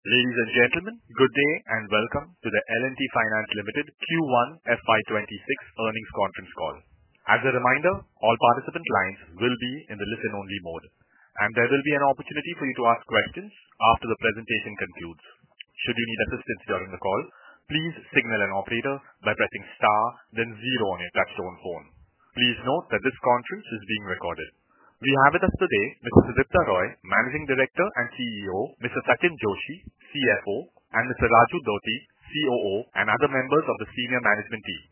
Ladies and gentlemen, good day, and welcome to the L and T Finance Limited Q1 FY 'twenty six Earnings Conference Call. As a reminder, all participant lines will be in the listen only mode. And there will be an opportunity for you to ask questions after the presentation concludes. Please note that this conference is being recorded. We have with us today Mr. Siddipta Roy, Managing Director and CEO Mr. Takin Joshi, CFO and Mr. Raju Doti, COO and other members of the senior management team.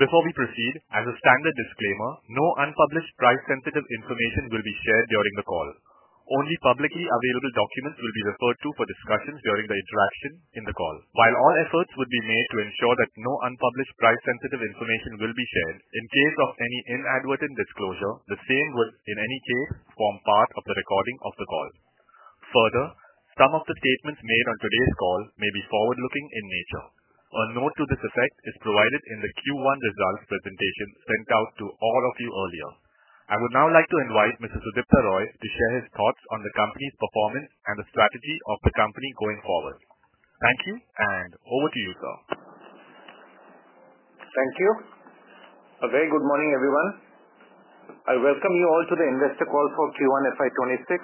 Before we proceed, as a standard disclaimer, no unpublished price sensitive information will be shared during the call. Only publicly available documents will be referred to for discussions during the interaction in the call. While all efforts would be made to ensure that no unpublished price sensitive information will be shared, in case of any inadvertent disclosure, the same would, in any case, form part of the recording of the call. Further, some of the statements made on today's call may be forward looking in nature. A note to this effect is provided in the Q1 results presentation sent out to all of you earlier. I would now like to invite Mr. Sudipta Roy to share his thoughts on the company's performance and the strategy of the company going forward. Thank you, and over to you, sir. Thank you. A very good morning, everyone. I welcome you all to the investor call for Q1 FY 'twenty six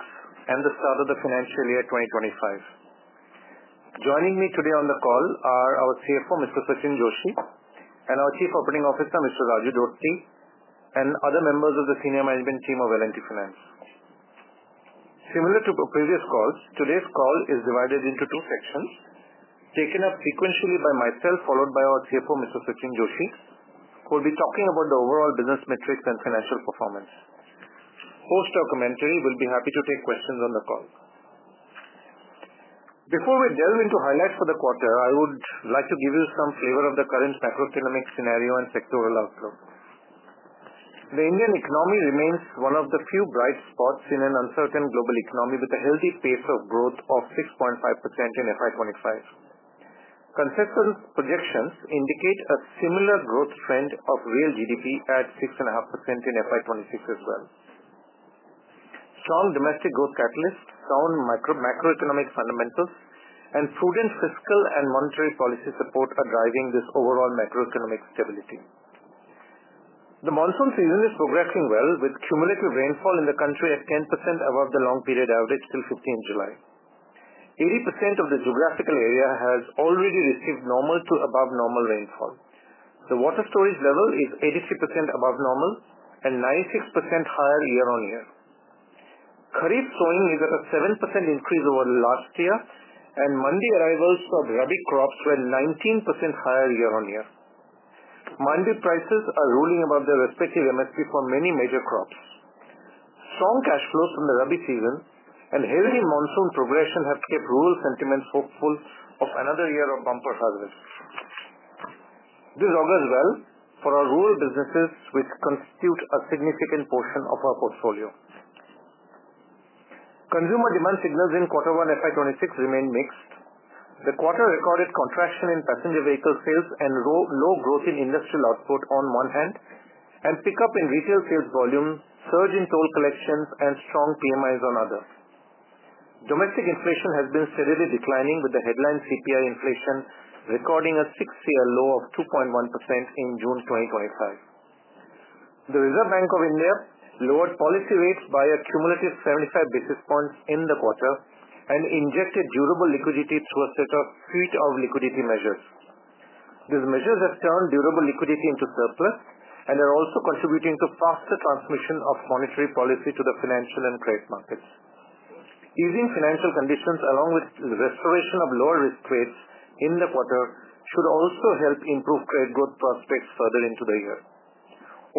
and the start of the financial year 2025. Joining me today on the call are our CFO, Mr. Sachin Joshi and our Chief Operating Officer, Mr. Raju Dhotti and other members of the senior management team of L and T Finance. Similar to previous calls, today's call is divided into two sections, taken up sequentially by myself, followed by our CFO, Mr. Sachin Joshi, who will be talking about the overall business metrics and financial performance. Post our commentary, we'll be happy to take questions on the call. Before we delve into highlights for the quarter, I would like to give you some flavor of the current macroeconomic scenario and sectoral outlook. The Indian economy remains one of the few bright spots in an uncertain global economy with a healthy pace of growth of 6.5% in FY 'twenty five. Concessors' projections indicate a similar growth trend of real GDP at 6.5 in FY 'twenty six as well. Strong domestic growth catalysts, sound macroeconomic fundamentals and prudent fiscal and monetary policy support are driving this overall macroeconomic stability. The monsoon season is progressing well with cumulative rainfall in the country at 10% above the long period average till fifteenth July. 80% of the geographical area has already received normal to above normal rainfall. The water storage level is 83% above normal and 96% higher year on year. Kharif sowing is at a 7% increase over last year and Mandi arrivals of rubbing crops were 19% higher year on year. Mandi prices are ruling about their respective MSP for many major crops. Strong cash flows from the ruby season and heavy monsoon progression have kept rural sentiment hopeful of another year of bumper harvest. This augurs well for our rural businesses, which constitute a significant portion of our portfolio. Consumer demand signals in quarter one FY 'twenty six remain mixed. The quarter recorded contraction in passenger vehicle sales and low growth in industrial output on one hand and pickup in retail sales volume, surge in toll collections and strong PMIs on others. Domestic inflation has been steadily declining with the headline CPI inflation recording a six year low of 2.1% in June 2025. The Reserve Bank of India lowered policy rates by a cumulative 75 basis points in the quarter and injected durable liquidity through a set of suite of liquidity measures. These measures have turned durable liquidity into surplus and are also contributing to faster transmission of monetary policy to the financial and credit markets. Easing financial conditions along with restoration of lower risk rates in the quarter should also help improve credit growth prospects further into the year.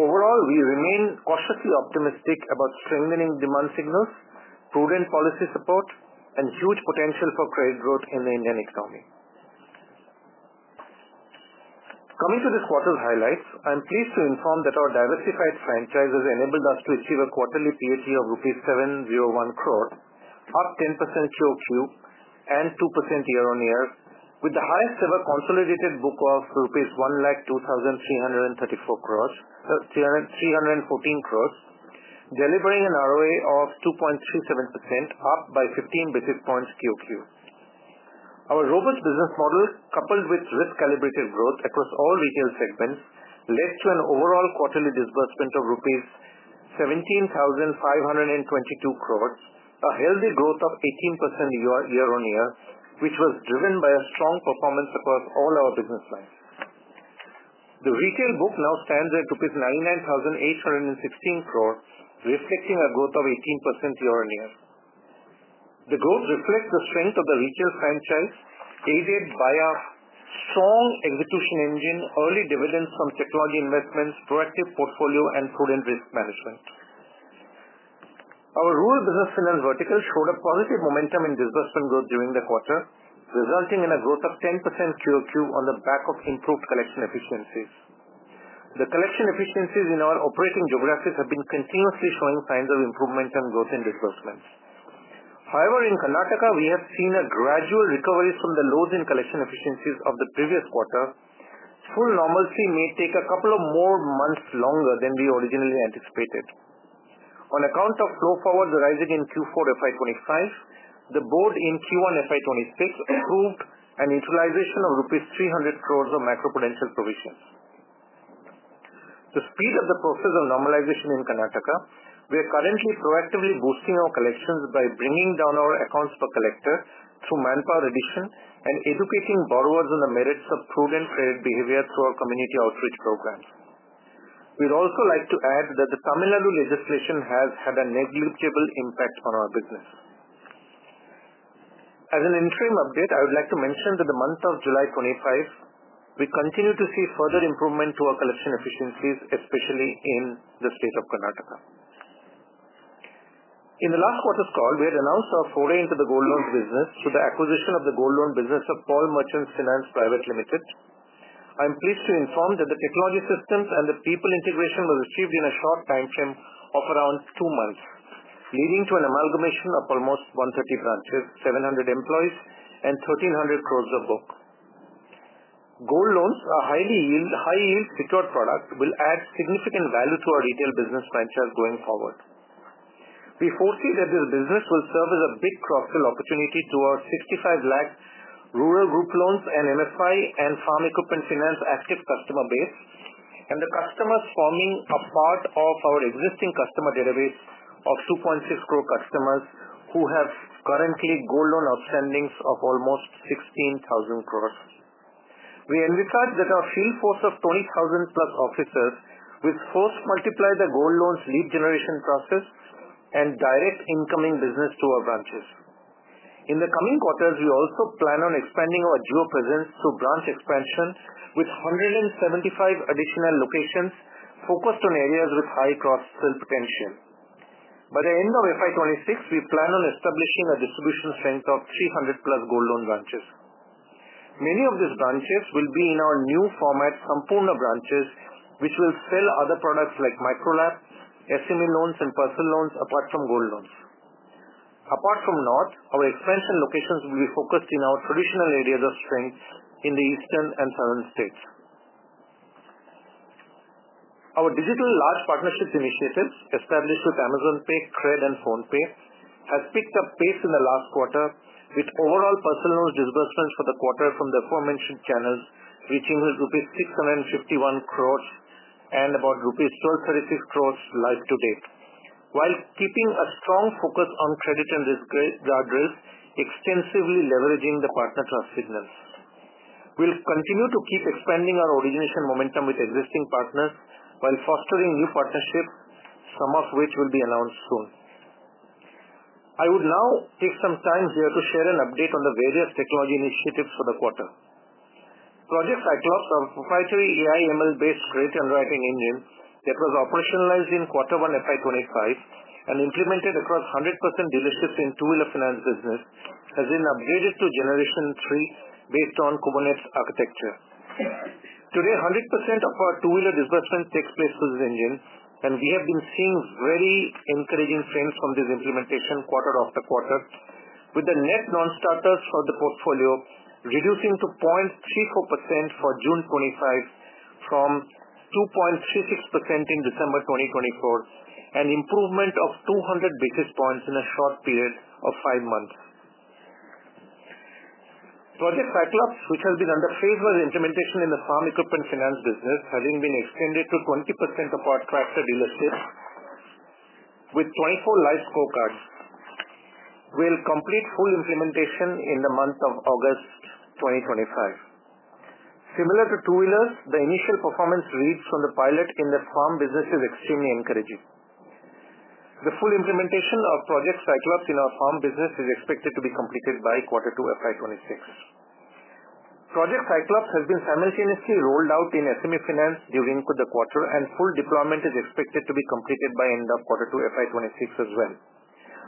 Overall, we remain cautiously optimistic about strengthening demand signals, prudent policy support and huge potential for credit growth in the Indian economy. Coming to this quarter's highlights, I'm pleased to inform that our diversified franchises enabled us to achieve a quarterly PHE of INR $7.00 1 crore, up 10% Q o Q and 2% year on year with the highest ever consolidated book of rupees 1 lakh 2,334 crores, $3.14 crores, delivering an ROA of 2.37%, up by 15 basis points Q o Q. Our robust business model, coupled with risk calibrated growth across all Retail segments, led to an overall quarterly disbursement of rupees 17,522 crores, a healthy growth of 18% year on year, which was driven by a strong performance across all our business lines. The Retail book now stands at INR99816 crores, reflecting a growth of 18% year on year. The growth reflects the strength of the retail franchise aided by our strong execution engine, early dividends from technology investments, proactive portfolio and prudent risk management. Our rural business finance vertical showed a positive momentum in disbursement growth during the quarter, resulting in a growth of 10% Q o Q on the back of improved collection efficiencies. The collection efficiencies in our operating geographies have been continuously showing signs of improvement and growth in disburse ments. However, in Karnataka, we have seen a gradual recovery from the loads in collection efficiencies of the previous quarter. Full normalcy may take a couple of more months longer than we originally anticipated. On account of flow forwards arising in Q4 FY 'twenty five, the Board in Q1 FY 'twenty six approved an utilization of rupees 300 crores of macro prudential provisions. To speed up the process of normalization in Karnataka, we are currently proactively boosting our collections by bringing down our accounts per collector through Manpower Edition and educating borrowers on the merits of prudent credit behavior through our community outreach programs. We'd also like to add that the Tamil Nadu legislation has had a negligible impact on our business. As an interim update, would like to mention that the month of July 25, we continue to see further improvement to our collection efficiencies, especially in the state of Karnataka. In the last quarter's call, we had announced our foray into the gold loans business through the acquisition of the gold loan business of Pall Merchant Finance Private Limited. I'm pleased to inform that the technology systems and the people integration was achieved in a short time frame of around two months, leading to an amalgamation of almost 130 branches, 700 employees and 1,300 crores of book. Gold loans, a highly yield secured product, add significant value to our Retail business franchise going forward. We foresee that this business will serve as a big cross sell opportunity to our 65 lakh rural group loans and MFI and farm equipment finance active customer base and the customers forming a part of our existing customer database of 2 0.6 crore customers who have currently gold loan outstandings of almost 16,000 crores. We envisage that our field force of 20,000 plus officers will first multiply the gold loans lead generation process and direct incoming business to our branches. In the coming quarters, we also plan on expanding our Jio presence to branch expansion with 175 additional locations focused on areas with high cross sell potential. By the end of FY 'twenty six, we plan on establishing distribution strength of 300 plus gold loan branches. Many of these branches will be in our new format, Sampuna branches, which will sell other products like micro lab, SME loans and personal loans apart from gold loans. Apart from North, our expansion locations will be focused in our traditional areas of strength in the Eastern And Southern States. Our digital large partnerships initiatives established with Amazon Pay, Credit and PhonePe has picked up pace in the last quarter with overall personal loan disbursements for the quarter from the aforementioned channels reaching with INR $6.51 crores and about INR $12.36 crores life to date, while keeping a strong focus on credit and risk the address, extensively leveraging the partner trans signals. We'll continue to keep expanding our origination momentum with existing partners while fostering new partnerships, some of which will be announced soon. I would now take some time here to share an update on the various technology initiatives for the quarter. Project Cyclops, our proprietary AIML based credit underwriting engine that was operationalized in quarter one FY 'twenty five and implemented across 100% dealerships in two wheeler finance business has been upgraded to generation three based on Kubernetes architecture. Today, 100% of our two wheeler disbursement takes place through this engine, and we have been seeing very encouraging trends from this implementation quarter after quarter, with the net nonstarters for the portfolio reducing to 0.34% for June '5 from 2.36% in December 2024, an improvement of 200 basis points in a short period of five months. Project Cyclops, which has been under favorable implementation in the Farm Equipment Finance business, having been extended to 20% of our tractor dealerships with 24 live scorecards, will complete full implementation in the month of August 2025. Similar to two wheelers, the initial performance reads from the pilot in the farm business is extremely encouraging. The full implementation of Project Cyclops in our farm business is expected to be completed by quarter two FY 'twenty six. Project Cyclops has been simultaneously rolled out in SME Finance during the quarter and full deployment is expected to be completed by '6 as well.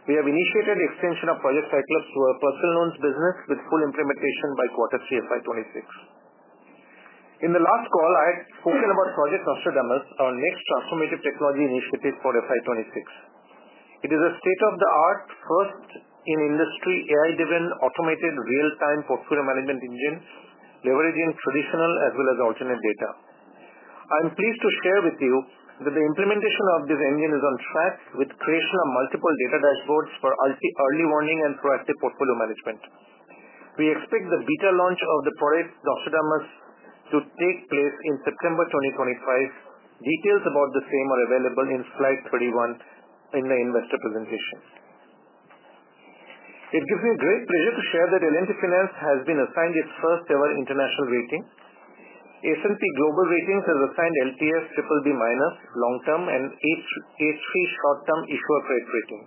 We have initiated extension of Project Cyclops to our personal loans business with full implementation by quarter three FY 'twenty six. In the last call, I had spoken about Project Nostradamus, our next transformative technology initiative for FY 'twenty six. It is a state of the art, first in industry AI driven automated real time portfolio management engine, leveraging traditional as well as alternate data. I'm pleased to share with you that the implementation of this engine is on track with creation of multiple data dashboards for early warning and proactive portfolio management. We expect the beta launch of the product, Doxodamas, to take place in September 2025. Details about the same are available in Slide 31 in the investor presentation. It gives me great pleasure to share that L and T Finance has been assigned its first ever international rating. S and P Global Ratings has assigned LTS BBB minus long term and A3 short term issuer credit rating.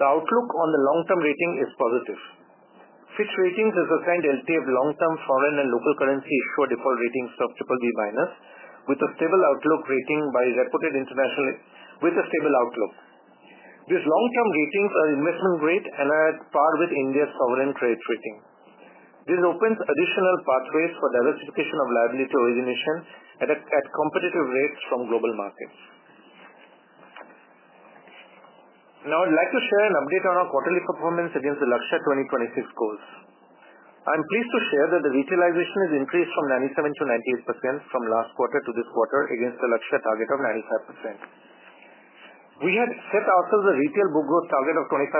The outlook on the long term rating is positive. Fitch Ratings has assigned LTAB long term foreign and local currency issuer default ratings of BBB minus with a stable outlook rating by reported international with a stable outlook. These long term ratings are investment grade and are at par with India's sovereign credit rating. This opens additional pathways for diversification of liability origination at competitive rates from global markets. Now I'd like to share an update on our quarterly performance against the Lakshay twenty twenty six goals. I'm pleased to share that the retailization has increased from 97% to 98% from last quarter to this quarter against the Lakshay target of 95%. We had set ourselves a Retail book growth target of 25%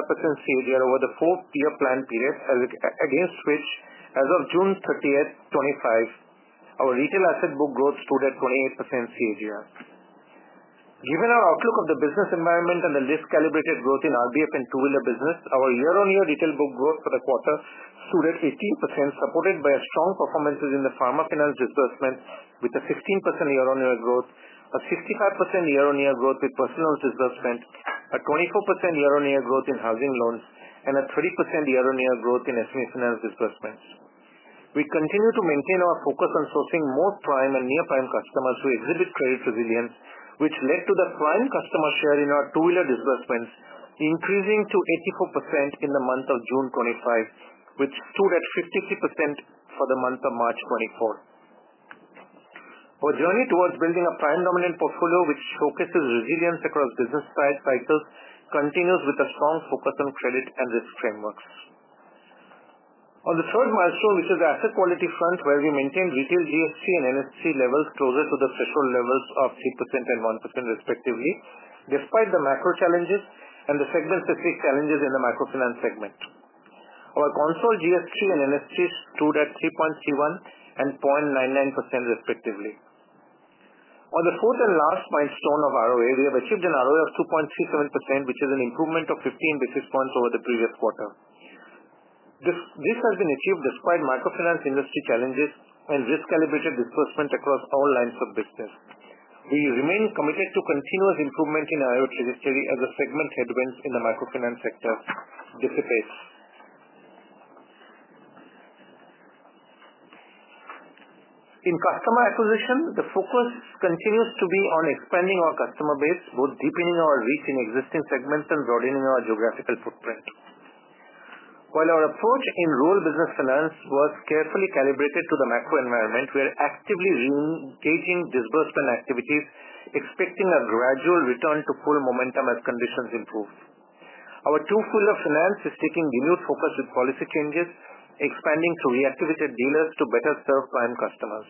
CAGR over the four year plan period against which, as of June 3025, our Retail asset book growth stood at 28% CAGR. Given our outlook of the business environment and the less calibrated growth in RBF and two wheeler business, our year on year Retail book growth for the quarter stood at 18%, supported by a strong performance within the Pharma Finance disbursement with a 16% year on year growth, a 65% year on year growth with personal disbursements, a 24% year on year growth in housing loans and a 30% year on year growth in SME finance disbursements. We continue to maintain our focus on sourcing more prime and near prime customers who exhibit credit resilience, which led to the prime customer share in our two wheeler disbursements, increasing to 84% in the month of June 25, which stood at 53% for the month of March 24. Our journey towards building a prime dominant portfolio, which focuses resilience across business cycles continues with a strong focus on credit and risk frameworks. On the third milestone, which is asset quality front, where we maintain retail GFC and NFC levels closer to the threshold levels of 31%, respectively, despite the macro challenges and the segment specific challenges in the microfinance segment. Our console GHG and NFC stood at 3.310.99%, respectively. On the fourth and last milestone of ROA, we have achieved an ROA of 2.37%, which is an improvement of 15 basis points over the previous quarter. This has been achieved despite microfinance industry challenges and risk calibrated disbursement across all lines of business. We remain committed to continuous improvement in our IoT industry as the segment headwinds in the microfinance sector dissipates. In customer acquisition, the focus continues to be on expanding our customer base, both deepening our reach in existing segments and broadening our geographical footprint. While our approach in rural business finance was carefully calibrated to the macro environment, we are actively engaging disbursement activities, expecting a gradual return to full momentum as conditions improve. Our tool pillar finance is taking renewed focus with policy changes, expanding to reactivated dealers to better serve prime customers.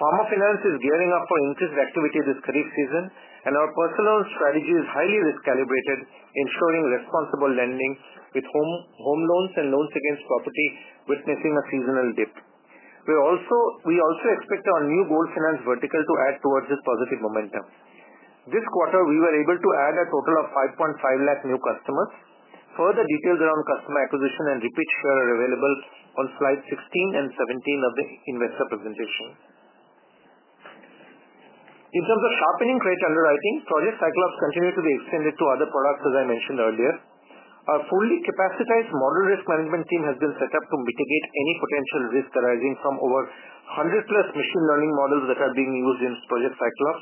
Pharma Finance is gearing up for increased activity this current season, and our personal strategy is highly risk calibrated, ensuring responsible lending with home loans and loans against property, witnessing a seasonal dip. We also expect our new gold finance vertical to add towards this positive momentum. This quarter, we were able to add a total of 5.5 lakh new customers. Further details around customer acquisition and repeat share are available on Slide sixteen and seventeen of the investor presentation. In terms of sharpening credit underwriting, project cycles continue to be extended to other products, as I mentioned earlier. Our fully capacitized model risk management team has been set up to mitigate any potential risk arising from over 100 plus machine learning models that are being used in project cycles,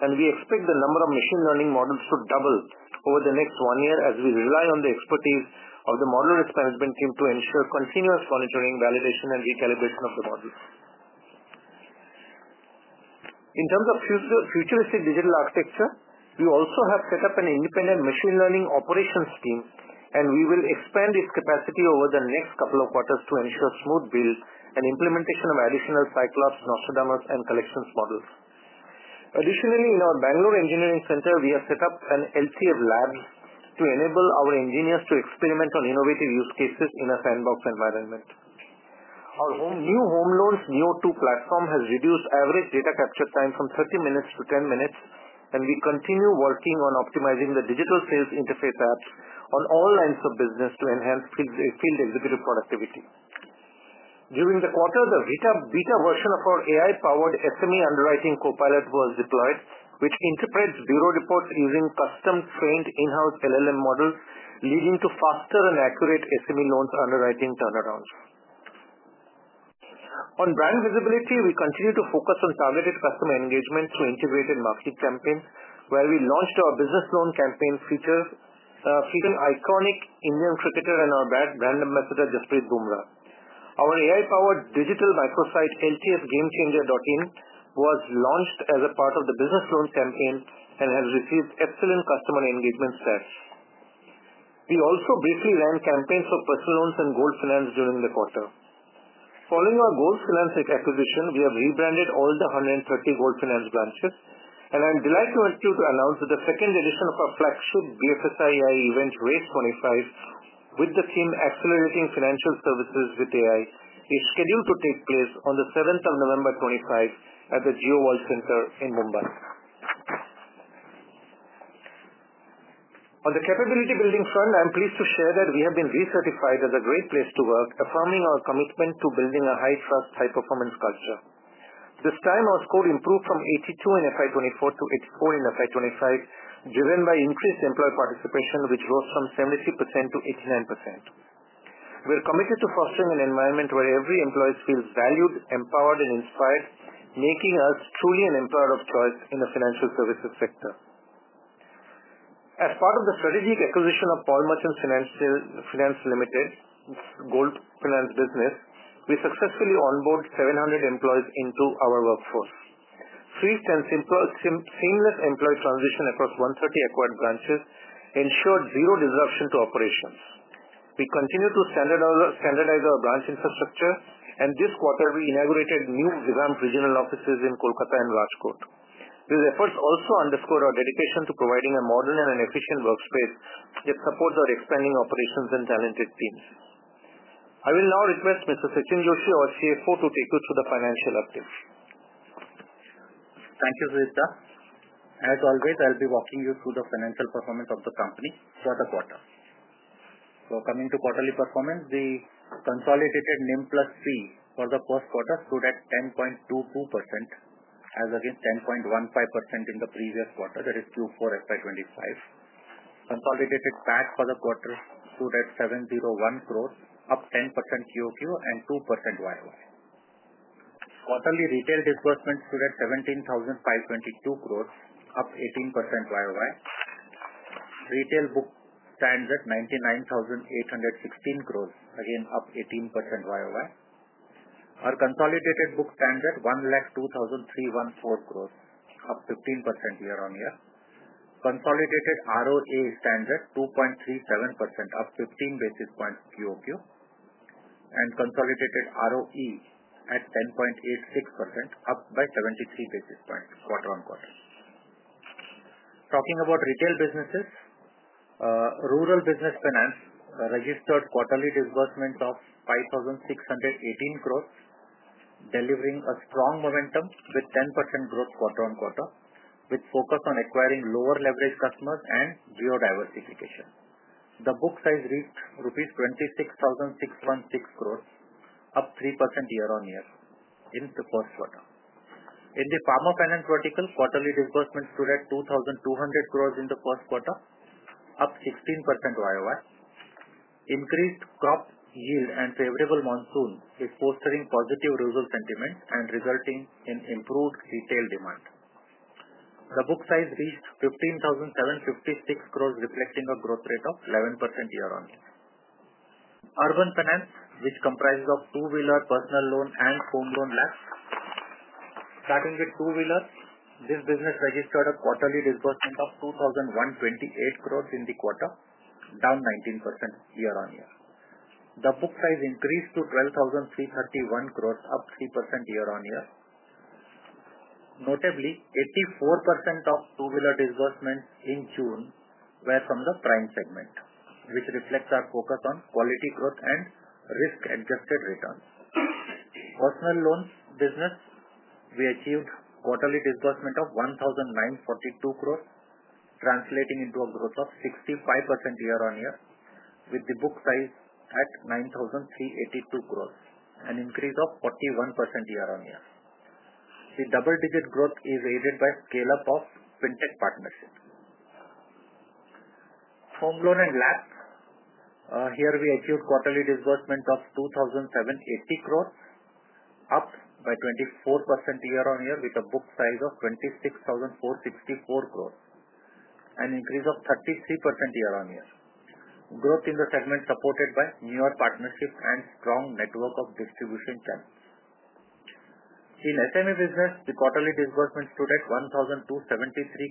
and we expect the number of machine learning models to double over the next one year as we rely on the expertise of the model risk management team to ensure continuous monitoring, validation and recalibration of the model. In terms of future futuristic digital architecture, we also have set up an independent machine learning operations team, and we will expand its capacity over the next couple of quarters to ensure smooth build and implementation of additional Cyclops, Nostradamus and collections models. Additionally, in our Bangalore engineering center, we have set up an LCF lab to enable our engineers to experiment on innovative use cases in a sandbox environment. Our new Home Loans Neo two platform has reduced average data capture time from thirty minutes to ten minutes, and we continue working on optimizing the digital sales interface apps on all lines of business to enhance field executive productivity. During the quarter, the beta version of our AI powered SME underwriting Copilot was deployed, which interprets bureau reports using custom trained in house LLM models, leading to faster and accurate SME loans underwriting turnarounds. On brand visibility, we continue to focus on targeted customer engagement through integrated marketing campaigns, where we launched our business loan campaign feature, featuring iconic Indian cricketer and our brand ambassador Jaspreet Bhumra. Our AI powered digital microsite, ltsgamechanger.in, was launched as a part of the business loan campaign and has received excellent customer engagement stats. We also briefly ran campaigns for personal loans and gold finance during the quarter. Following our Gold Finance acquisition, we have rebranded all the 130 gold finance branches, and I'm delighted to announce that the second edition of our flagship BFSI AI event RACE twenty five with the theme accelerating financial services with AI is scheduled to take place on the 11/07/2025 at the Jio World Center in Mumbai. On the capability building front, I'm pleased to share that we have been recertified as a great place to work, affirming our commitment to building a high trust, high performance culture. This time, our score improved from 82 in FY 'twenty four to 84 in FY 'twenty five, driven by increased employee participation, which rose from 73% to 89%. We are committed to fostering an environment where every employee feels valued, empowered and inspired, making us truly an employer of choice in the financial services sector. As part of the strategic acquisition of Pall Merchant Finance Limited, gold finance business, we successfully on boarded 700 employees into our workforce. Free and seamless employee transition across 130 acquired branches ensured zero disruption to operations. We continue to standardize our branch infrastructure, and this quarter, we inaugurated new revamped regional offices in Kolkata and Rajkot. These efforts also underscore our dedication to providing a modern and an efficient workspace that supports our expanding operations and talented teams. I will now request Mr. Sachin Joshi, our CFO, to take you through the financial update. Thank you, Sushita. As always, I'll be walking you through the financial performance of the company for the quarter. So coming to quarterly performance, the consolidated NIM plus fee for the first quarter stood at 10.22% as against 10.15% in the previous quarter, that is, Q4 FY 'twenty five. Consolidated PAT for the quarter stood at 701 crores, up 10% Q o Q and 2% Y o Quarterly Retail disbursements stood at 1752 crores, up 18% Y o Y. Retail book stands at 99816 crores, again up 18% Y o Y. Our consolidated book standard, 102,314 crores, up 15% year on year consolidated ROA standard, 2.37%, up 15 basis points Q o Q and consolidated ROE at 10.86%, up by 73 basis points quarter on quarter. Talking about Retail businesses. Rural Business Finance registered quarterly disbursement of 5,618 crores, delivering a strong momentum with 10% growth quarter on quarter with focus on acquiring lower leverage customers and geo diversification. The book size reached rupees 26,616 crores, up 3% year on year in the first quarter. In the Pharma Finance vertical, quarterly disbursements stood at 2,200 crores in the first quarter, up 16% Y o Y. Increased crop yield and favorable monsoon is fostering positive user sentiment and resulting in improved retail demand. The book size reached 15,756 crores, reflecting a growth rate of 11% year on year. Urban Finance, which comprises of two wheeler personal loan and home loan labs. Starting with two wheeler, this business registered a quarterly disbursement of 2,128 crores in the quarter, down 19% year on year. The book size increased to 12,331 crores, up 3% year on year. Notably, 84% of two wheeler disbursements in June were from the prime segment, which reflects our focus on quality growth and risk adjusted returns. Personal loans business, we achieved quarterly disbursement of INR $19.42 crores, translating into a growth of 65% year on year with the book size at 9,382 crores, an increase of 41% year on year. The double digit growth is aided by scale up of fintech partnership. Homegrown and LAP. Here, we achieved quarterly disbursement of 2,780 crores, up by 24% year on year with a book size of 26,464 crores, an increase of 33% year on year. Growth in the segment supported by newer partnerships and strong network of distribution channels. In SME business, the quarterly disbursement stood at 1273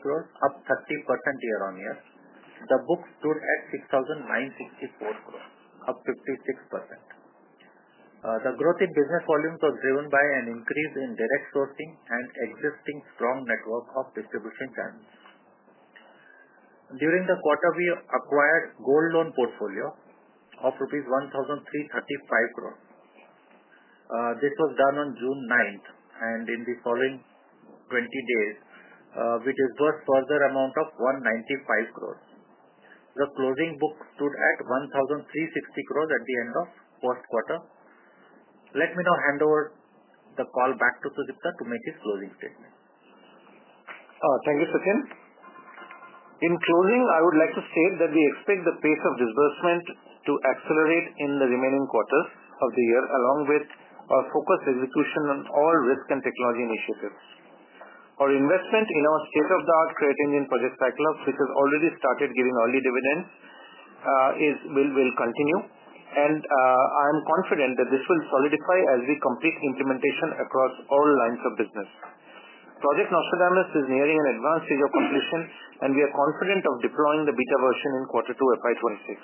crores, up 30% year on year. The book stood at 6,964 crores, up 56%. The growth in business volumes was driven by an increase in direct sourcing and existing strong network of distribution channels. During the quarter, we acquired gold loan portfolio of INR $13.35 crore. This was done on June 9. And in the following twenty days, we disbursed further amount of 195 crores. The closing book stood at 1360 crores at the end of fourth quarter. Let me now hand over the call back to Prasipa to make his closing statement. Thank you, Sachin. In closing, I would like to state that we expect the pace of disbursement to accelerate in the remaining quarters of the year along with our focused execution on all risk and technology initiatives. Our investment in our state of the art credit union project backlog, which has already started giving early dividends, is will continue. And I am confident that this will solidify as we complete implementation across all lines of business. Project Nostradamus is nearing an advanced stage of completion, and we are confident of deploying the beta version in quarter two FY 'twenty six.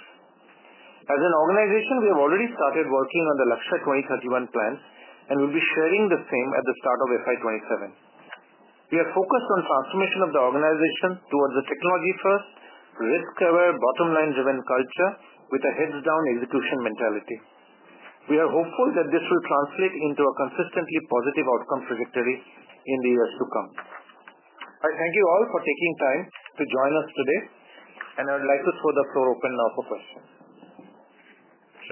As an organization, we have already started working on the Lakshay 2031 plans, and we'll be sharing the same at the start of FY 'twenty seven. We are focused on transformation of the organization towards a technology first, risk aware, bottom line driven culture with a heads down execution mentality. We are hopeful that this will translate into a consistently positive outcome trajectory in the years to come. I thank you all for taking time to join us today, and I would like to throw the floor open now for questions.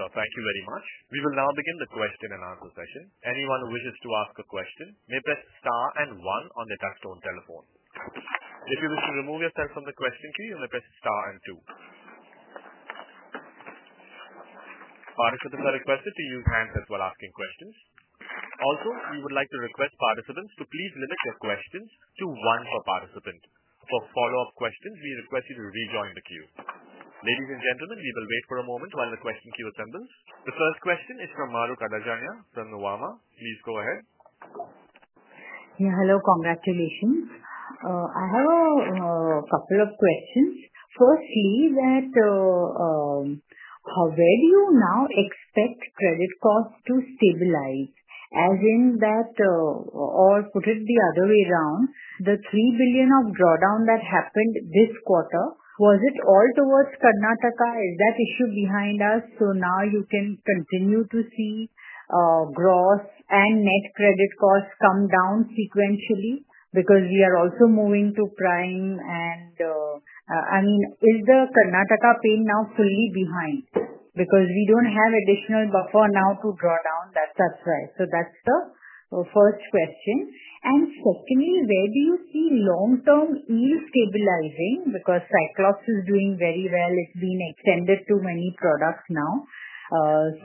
Sure. Thank you very much. We will now begin the question and answer session. If you wish to remove yourself from the question queue, you may press and two. Participants are requested to use hands as well asking questions. Also, we would like to request participants to please limit your questions to one per participant. For follow-up questions, we request you to rejoin the queue. Ladies and gentlemen, we will wait for a moment while the question queue assembles. The first question is from Maru Kadajanya from Nuwama. Please go ahead. Yeah. Hello. Congratulations. I have a couple of questions. Firstly, where do you now expect credit cost to stabilize? As in that or put it the other way around, the 3,000,000,000 of drawdown that happened this quarter, was it all towards Karnataka? Is that issue behind us? So now you can continue to see gross and net credit cost come down sequentially because we are also moving to prime and I mean, is the Karnataka paying now fully behind? Because we don't have additional buffer now to draw down. That's that's right. So that's the first question. And secondly, where do you see long term e stabilizing? Because Cyclops is doing very well. It's been extended to many products now.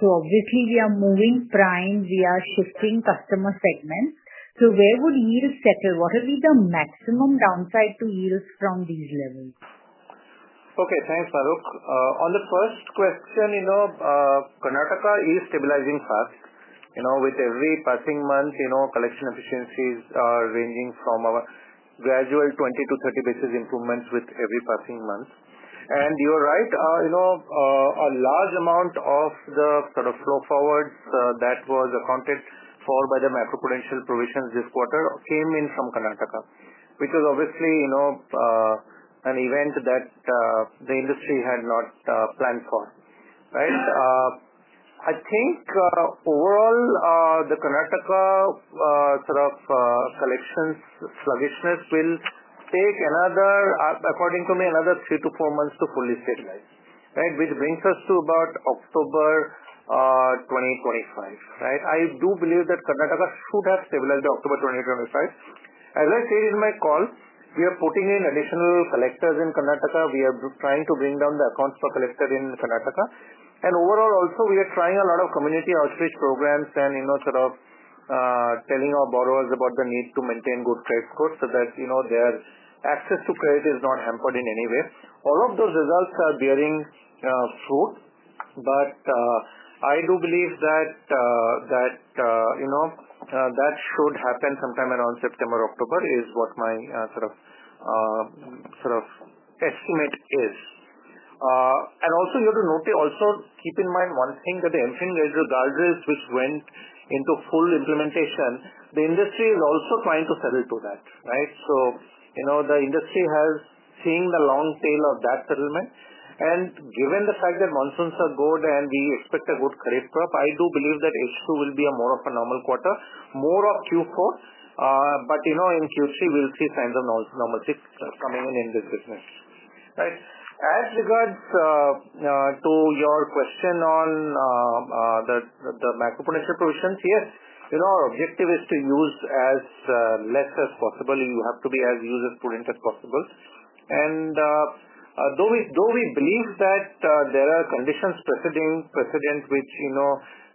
So, obviously, we are moving prime. We are shifting customer segments. So where would you settle? What would be the maximum downside to yield from these levels? Okay. Thanks, Farooq. On the first question, you know, Karnataka is stabilizing fast. You know, with every passing month, you know, collection efficiencies are ranging from our gradual 20 to 30 basis improvements with every passing month. And you're right, you know, a large amount of the sort of flow forwards that was accounted for by the macro prudential provisions this quarter came in from Karnataka, which was obviously, you know, an event that the industry had not planned for. Right? I think, overall, the Karnataka sort of collections sluggishness will take another, according to me, another three to four months to fully stabilize. Right, which brings us to about October 2025. Right? I do believe that Karnataka should have stabilized October 2025. As I said in my call, we are putting in additional collectors in Karnataka. We are trying to bring down the accounts for collector in Karnataka. And overall also, we are trying a lot of community outreach programs and, you know, sort of telling our borrowers about the need to maintain good credit score, so that, you know, their access to credit is not hampered in any way. All of those results are bearing fruit, but I do believe that that, you know, that should happen sometime around September, October is what my sort of sort of estimate is. And also, you have to note also, keep in mind one thing that the MFIN radar guardrails, which went into full implementation, the industry is also trying to settle to that. Right? So, you know, the industry has seen the long tail of that settlement. And given the fact that monsoons are good and we expect a good credit crop, I do believe that H2 will be a more of a normal quarter, more of Q4. But in Q3, we'll see signs of normalcy coming in, in this business, right? As regards to your question on the macro potential provisions, yes, our objective is to use as less as possible. You have to be as user prudent as possible. And believe though that there are conditions precedent,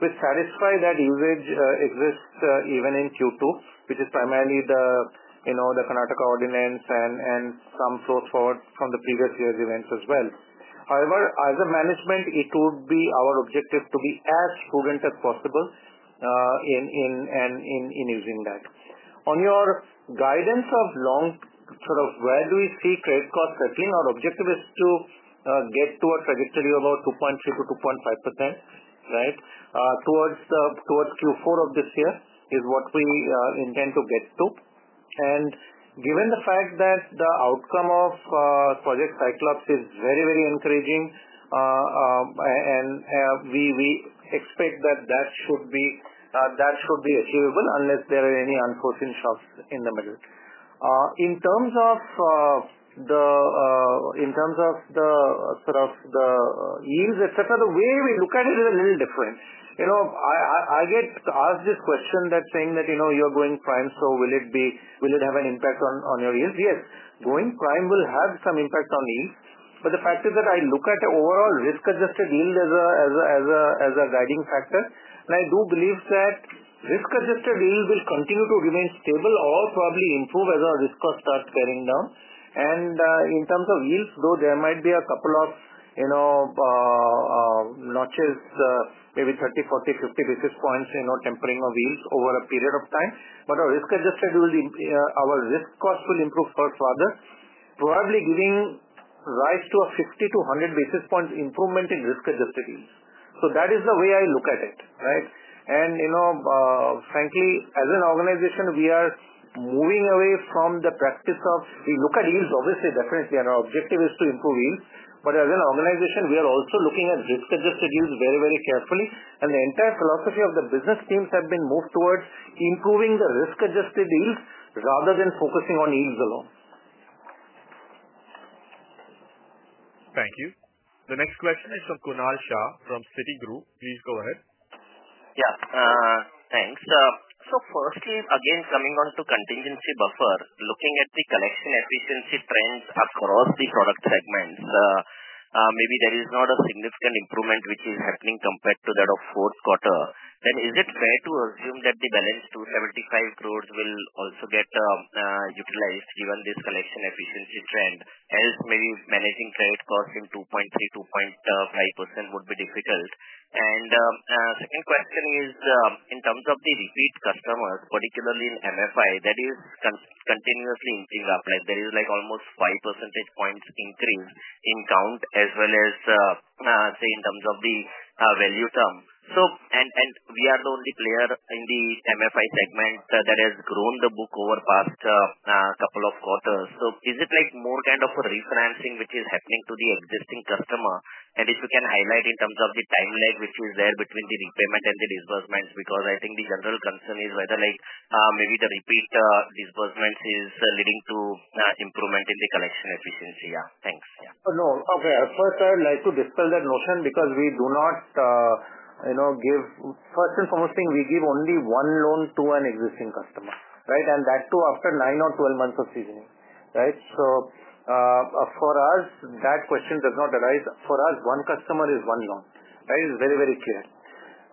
which satisfy that usage exists even in Q2, which is primarily you know, the Kanata coordinates and and some flow forward from the previous year's events as well. However, as a management, it would be our objective to be as prudent as possible in in in in using that. On your guidance of long sort of where do we see credit cost cutting, our objective is to get to a trajectory of about 2.3% to 2.5, right, towards Q4 of this year is what we intend to get to. And given the fact that the outcome of project Cyclops is very, very encouraging, and we expect that, that should be achievable unless there are any unforeseen shocks in the middle. In terms of the in terms of the sort of the yields, etcetera, the way we look at it is a little different. You know, I I I get asked this question that saying that, you know, you're going prime, so will it be will it have an impact on on your yields? Yes. Going prime will have some impact on yield. But the fact is that I look at overall risk adjusted yield as a as a as a guiding factor. And I do believe that risk adjusted yield will continue to remain stable or probably improve as our risk cost starts bearing down. In terms of yields, though there might be a couple of, you know, notches, maybe thirty, forty, 50 basis points, you know, tempering of yields over a period of time. But our risk adjusted will our risk cost will improve further, probably giving rise to a 50 to 100 basis points improvement in risk adjusted yields. So that is the way I look at it. Right? And, you know, frankly, as an organization, we are moving away from the practice of, we look at yields, obviously, definitely, and our objective is to improve yields. But as an organization, we are also looking at risk adjusted yields very, very carefully. And the entire philosophy of the business teams have been moved towards improving the risk adjusted yield rather than focusing on yields alone. Thank you. The next question is from Kunal Shah from Citigroup. Please go ahead. Yes. Thanks. So firstly, again, coming on to contingency buffer, looking at the collection efficiency trends across the product segments, maybe there is not a significant improvement which is happening compared to that of fourth quarter. Then is it fair to assume that the balance to 75 crores will also get utilized given this collection efficiency trend? As maybe managing credit cost in 2.3, 2.5% would be difficult. And second question is, in terms of the repeat customers, particularly in MFI, that is continuously increasing up, like, there is, like, almost five percentage points increase in count as well as, say, in terms of the value term. So and and we are the only player in the MFI segment that has grown the book over past couple of quarters. So is it like more kind of a refinancing which is happening to the existing customer? And if you can highlight in terms of the time lag which is there between the repayment and the disbursements because I think the general concern is whether like maybe the repeat disbursements is leading to improvement in the collection efficiency. Yeah. Thanks. Yeah. No. Okay. First, I would like to dispel that notion because we do not, you know, give first and foremost thing, we give only one loan to an existing customer. Right? And that too after nine or twelve months of seasoning. Right? So for us, that question does not arise. For us, one customer is one node, right? It's very, very clear.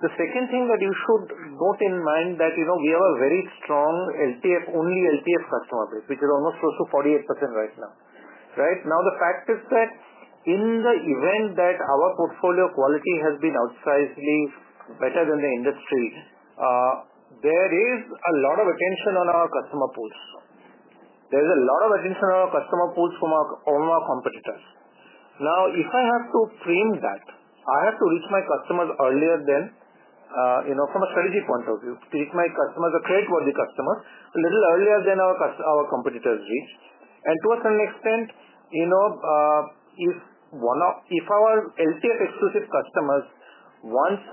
The second thing that you should note in mind that we have a very strong LTF, only LTF customer base, which is almost close to 48% right now, Right? Now the fact is that in the event that our portfolio quality has been outsizedly better than the industry, there is a lot of attention on our customer pools. There's a lot of attention on our customer pools from our from our competitors. Now if I have to frame that, I have to reach my customers earlier than, you know, from a strategic point of view, to reach my customers a creditworthy customer, a little earlier than our our competitors reach. And to a certain extent, you know, if one of if our LCF exclusive customers once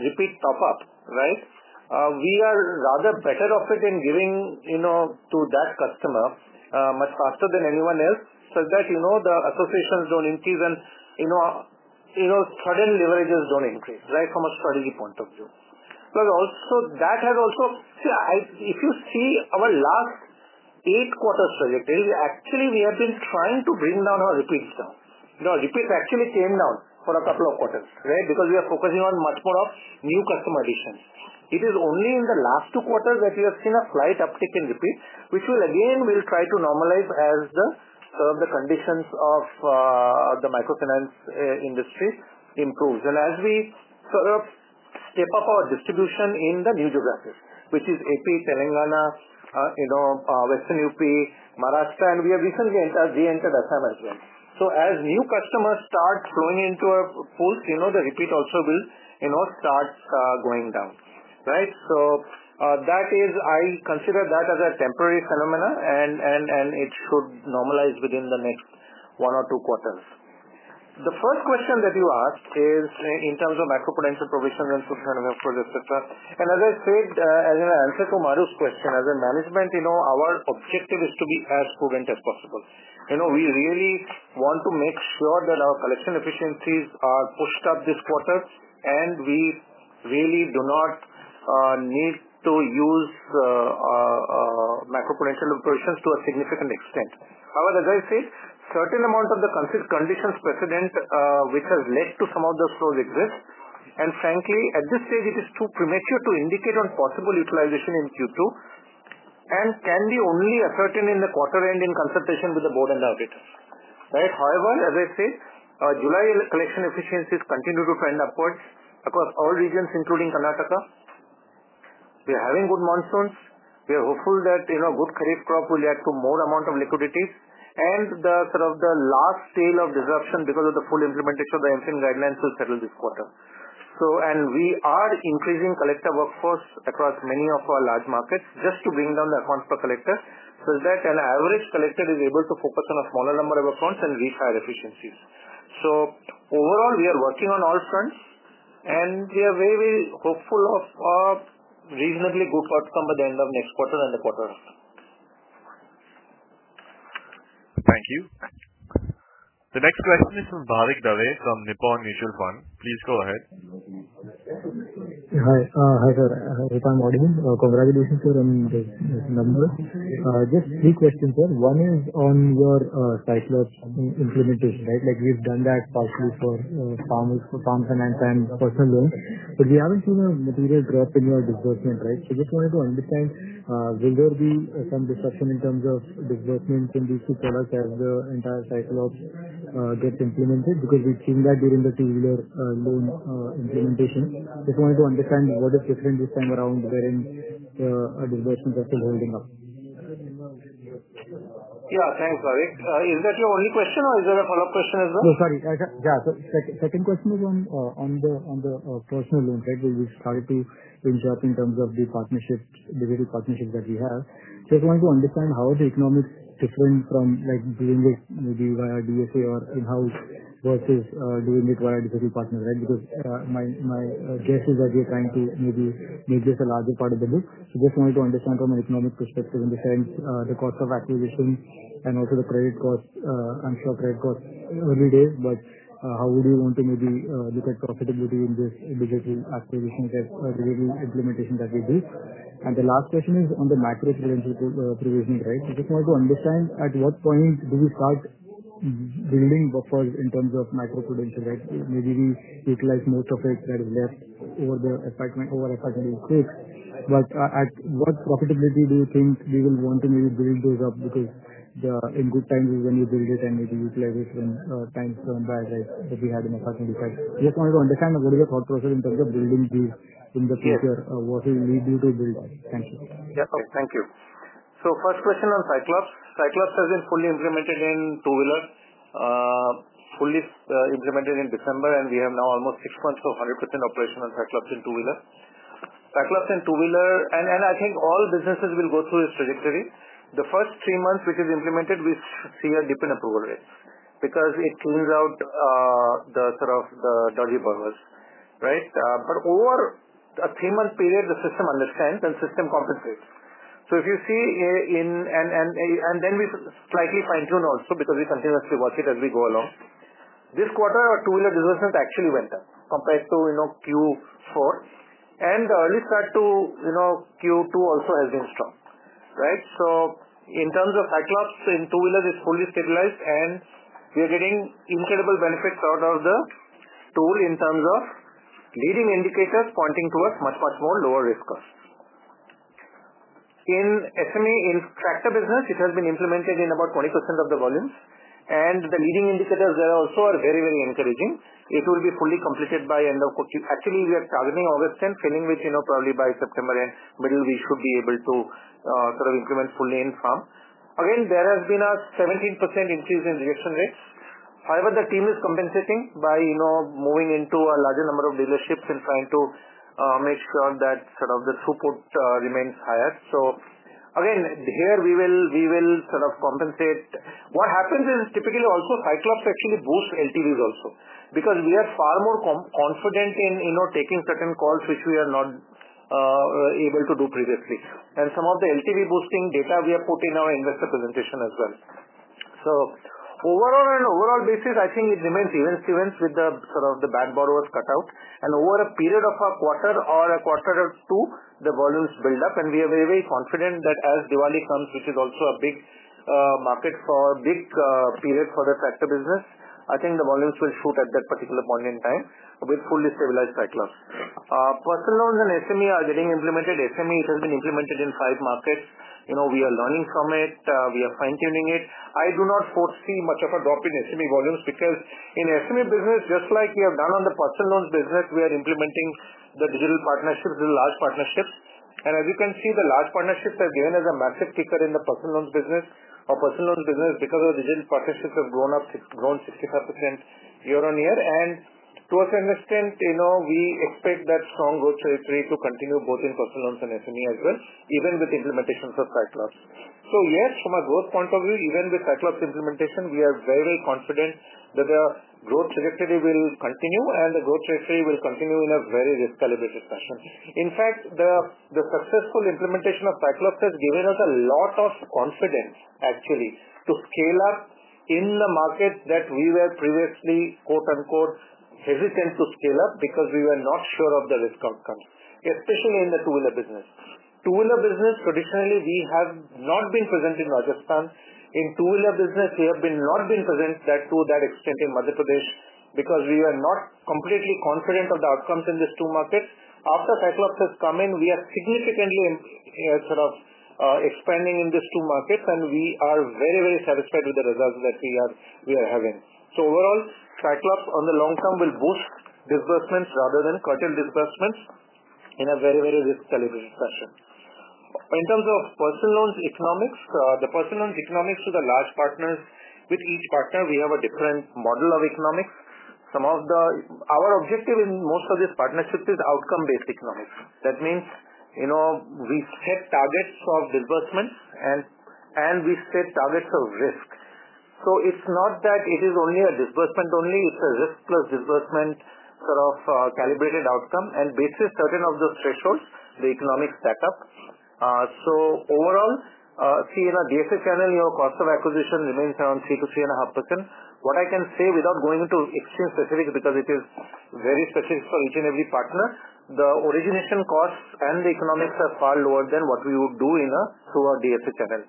repeat top up, right, we are rather better off it in giving, you know, to that customer much faster than anyone else, so that, you know, the associations don't increase and, you know, know, sudden leverages don't increase, right, from a strategy point of view. But also, that has also see, I if you see our last eight quarters trajectory, actually, we have been trying to bring down our repeats now. No. Repeats actually came down for a couple of quarters, right, because we are focusing on much more of new customer additions. It is only in the last two quarters that we have seen a slight uptick in repeat, which will again we'll try to normalize as the the conditions of the microfinance industry improves. And as we sort of step up our distribution in the new geographies, which is AP, Telangana, Western UP, Maharashtra, and we have recently entered reentered Assam as well. So as new customers start flowing into a post, the repeat also will start going down. Right? So that is I consider that as a temporary phenomena, and and and it should normalize within the next one or two quarters. The first question that you asked is in terms of macro potential provisions and footprint of effort, etcetera. And as I said, as an answer to Maru's question, as a management, you know, our objective is to be as prudent as possible. You know, we really want to make sure that our collection efficiencies are pushed up this quarter, and we really do not need to use macro potential operations to a significant extent. However, as I said, certain amount of the conditions precedent, which has led to some of those flows exist. And frankly, at this stage, it is too premature to indicate on possible utilization in q two and can be only ascertain in the quarter end in consultation with the board and the auditor. Right? However, as I said, our July collection efficiencies continue to trend upwards across all regions, including Karnataka. We are having good monsoons. We are hopeful that, you know, good credit crop will add to more amount of liquidity and the sort of the last sale of disruption because of the full implementation of the MFIN guidelines will settle this quarter. So, and we are increasing collector workforce across many of our large markets just to bring down the accounts per collector, so that an average collector is able to focus on a smaller number of accounts and reach higher efficiencies. So overall, we are working on all fronts, and we are very, very hopeful of reasonably good outcome by the end of next quarter and the quarter. Thank you. The next question is from Bharat Dallek from Nippon Mutual Fund. Please go ahead. Hi, sir. Hi, sir, on this number. Just three questions, sir. One is on your cycle implementation, right? Like, we've done that partially for Farmers for Farmers and Personal Loan. But we haven't seen a material drop in your disbursement. Right? So just wanted to understand, will there be some discussion in terms of disbursements in these two products as the entire cycle of gets implemented? Because we've seen that during the two year loan implementation. Just wanted to understand what is different this time around wherein the disbursements are still holding up. Yeah. Thanks, Vivek. Is that your only question or is there a follow-up question as well? No. Sorry. I yeah. So second second question is on on the on the personal loan. Right? We will start to finish up in terms of the partnerships, the various partnerships that we have. Just wanted to understand how the economics different from, like, doing this maybe via DSA or in house versus doing it via DSA partner, right? Because my guess is that you're trying to maybe make this a larger part of the deal. Just wanted to understand from an economic perspective in the sense, the cost of acquisition and also the credit cost. I'm sure credit cost early days, but how would you want to maybe look at profitability in this individual acquisition that we do implementation that we do? And the last question is on the micro credential provisioning, right? I just wanted to understand, at what point do you start building buffers in terms of micro credential, right? Maybe we utilize most of it that is left over the over a 5,000,000 quick. But I I what profitability do you think we will want to maybe build those up? Because the in good times, we're gonna build it and maybe utilize it when times turn bad, right, that we have in the passenger side. Just wanted to understand what is your thought process in terms of building deals in the future, what will you need to build on? Thank you. Yes. Okay. Thank you. So first question on Cyclops. Cyclops has been fully implemented in two wheeler, fully implemented in December, and we have now almost six months to 100% operational Cyclops in two wheeler. Cyclops and two wheeler and and I think all businesses will go through this trajectory. The first three months, which is implemented, we see a different approval rate because it cleans out the sort of the dirty burgers, right? But over a three month period, the system understands and system compensates. So if you see in and and and then we slightly fine tune also because we continuously watch it as we go along. This quarter, our two wheeler business actually went up compared to, you know, q four. And the early start to, you know, q two also has been strong. Right? So in terms of cyclops, in two wheeler, it's fully stabilized, and we are getting incredible benefits out of the tool in terms of leading indicators pointing towards much, much more lower risk costs. In SME in tractor business, it has been implemented in about 20% of the volumes. And the leading indicators there also are very, very encouraging. It will be fully completed by end of q actually, are targeting August 10, filling with, you know, probably by September, middle, we should be able to sort of implement fully in firm. Again, there has been a 17% increase in reaction rates. However, the team is compensating by, you know, moving into a larger number of dealerships and trying to make sure that sort of the throughput remains higher. So, again, here, we will we will sort of compensate. What happens is, typically, also, Cyclops actually boost LTVs also because we are far more confident in, you know, taking certain calls, which we are not able to do previously. And some of the LTV boosting data, have put in our investor presentation as well. So overall, on an overall basis, I think it remains even even with the sort of the bad borrowers cut out. And over a period of a quarter or a quarter or two, the volumes build up, and we are very, very confident that as Diwali comes, which is also a big market for big period for the sector business, I think the volumes will shoot at that particular point in time with fully stabilized cycles. Personal loans and SME are getting implemented. SME, it has been implemented in five markets. You know, we are learning from it. We are fine tuning it. I do not foresee much of a drop in SME volumes because in SME business, just like we have done on the personal loans business, we are implementing the digital partnerships in large partnerships. And as you can see, the large partnerships are given as a massive kicker in the personal loans business. Our personal loans business because our digital partnerships have grown up grown 65% year on year. And to a certain extent, we expect that strong growth trajectory to continue both in personal loans and SME as well, even with implementations of Cyclops. So yes, from a growth point of view, even with Cyclops implementation, we are very, very confident that the growth trajectory will continue and the growth trajectory will continue in a very recalibrated fashion. In fact, the successful implementation of Cyclops has given us a lot of confidence actually to scale up in the market that we were previously hesitant to scale up because we were not sure of the risk outcome, especially in the two wheeler business. Two wheeler business, traditionally, we have not been present in Rajasthan. In tooler business, we have not been present to that extent in Madhya Pradesh because we are not completely confident of the outcomes in these two markets. After Cyclops has come in, we are significantly sort of expanding in these two markets, and we are very, very satisfied with the results that we are having. So overall, Cyclops on the long term will boost disbursements rather than curtail disbursements in a very, very risk calibrated fashion. In terms of personal loans economics, the personal loans economics to the large partners, with each partner, we have a different model of economics. Some of the our objective in most of these partnerships is outcome based economics. That means you know, we set targets of disbursements and and we set targets of risk. So it's not that it is only a disbursement only, it's a risk plus disbursement sort of calibrated outcome and basis certain of those thresholds, the economic setup. So overall, see, in our DSA channel, your cost of acquisition remains around 3% to 3.5. What I can say without going into exchange specifics because it is very specific for each and every partner, the origination costs and the economics are far lower than what we would do in a through our DSA channel.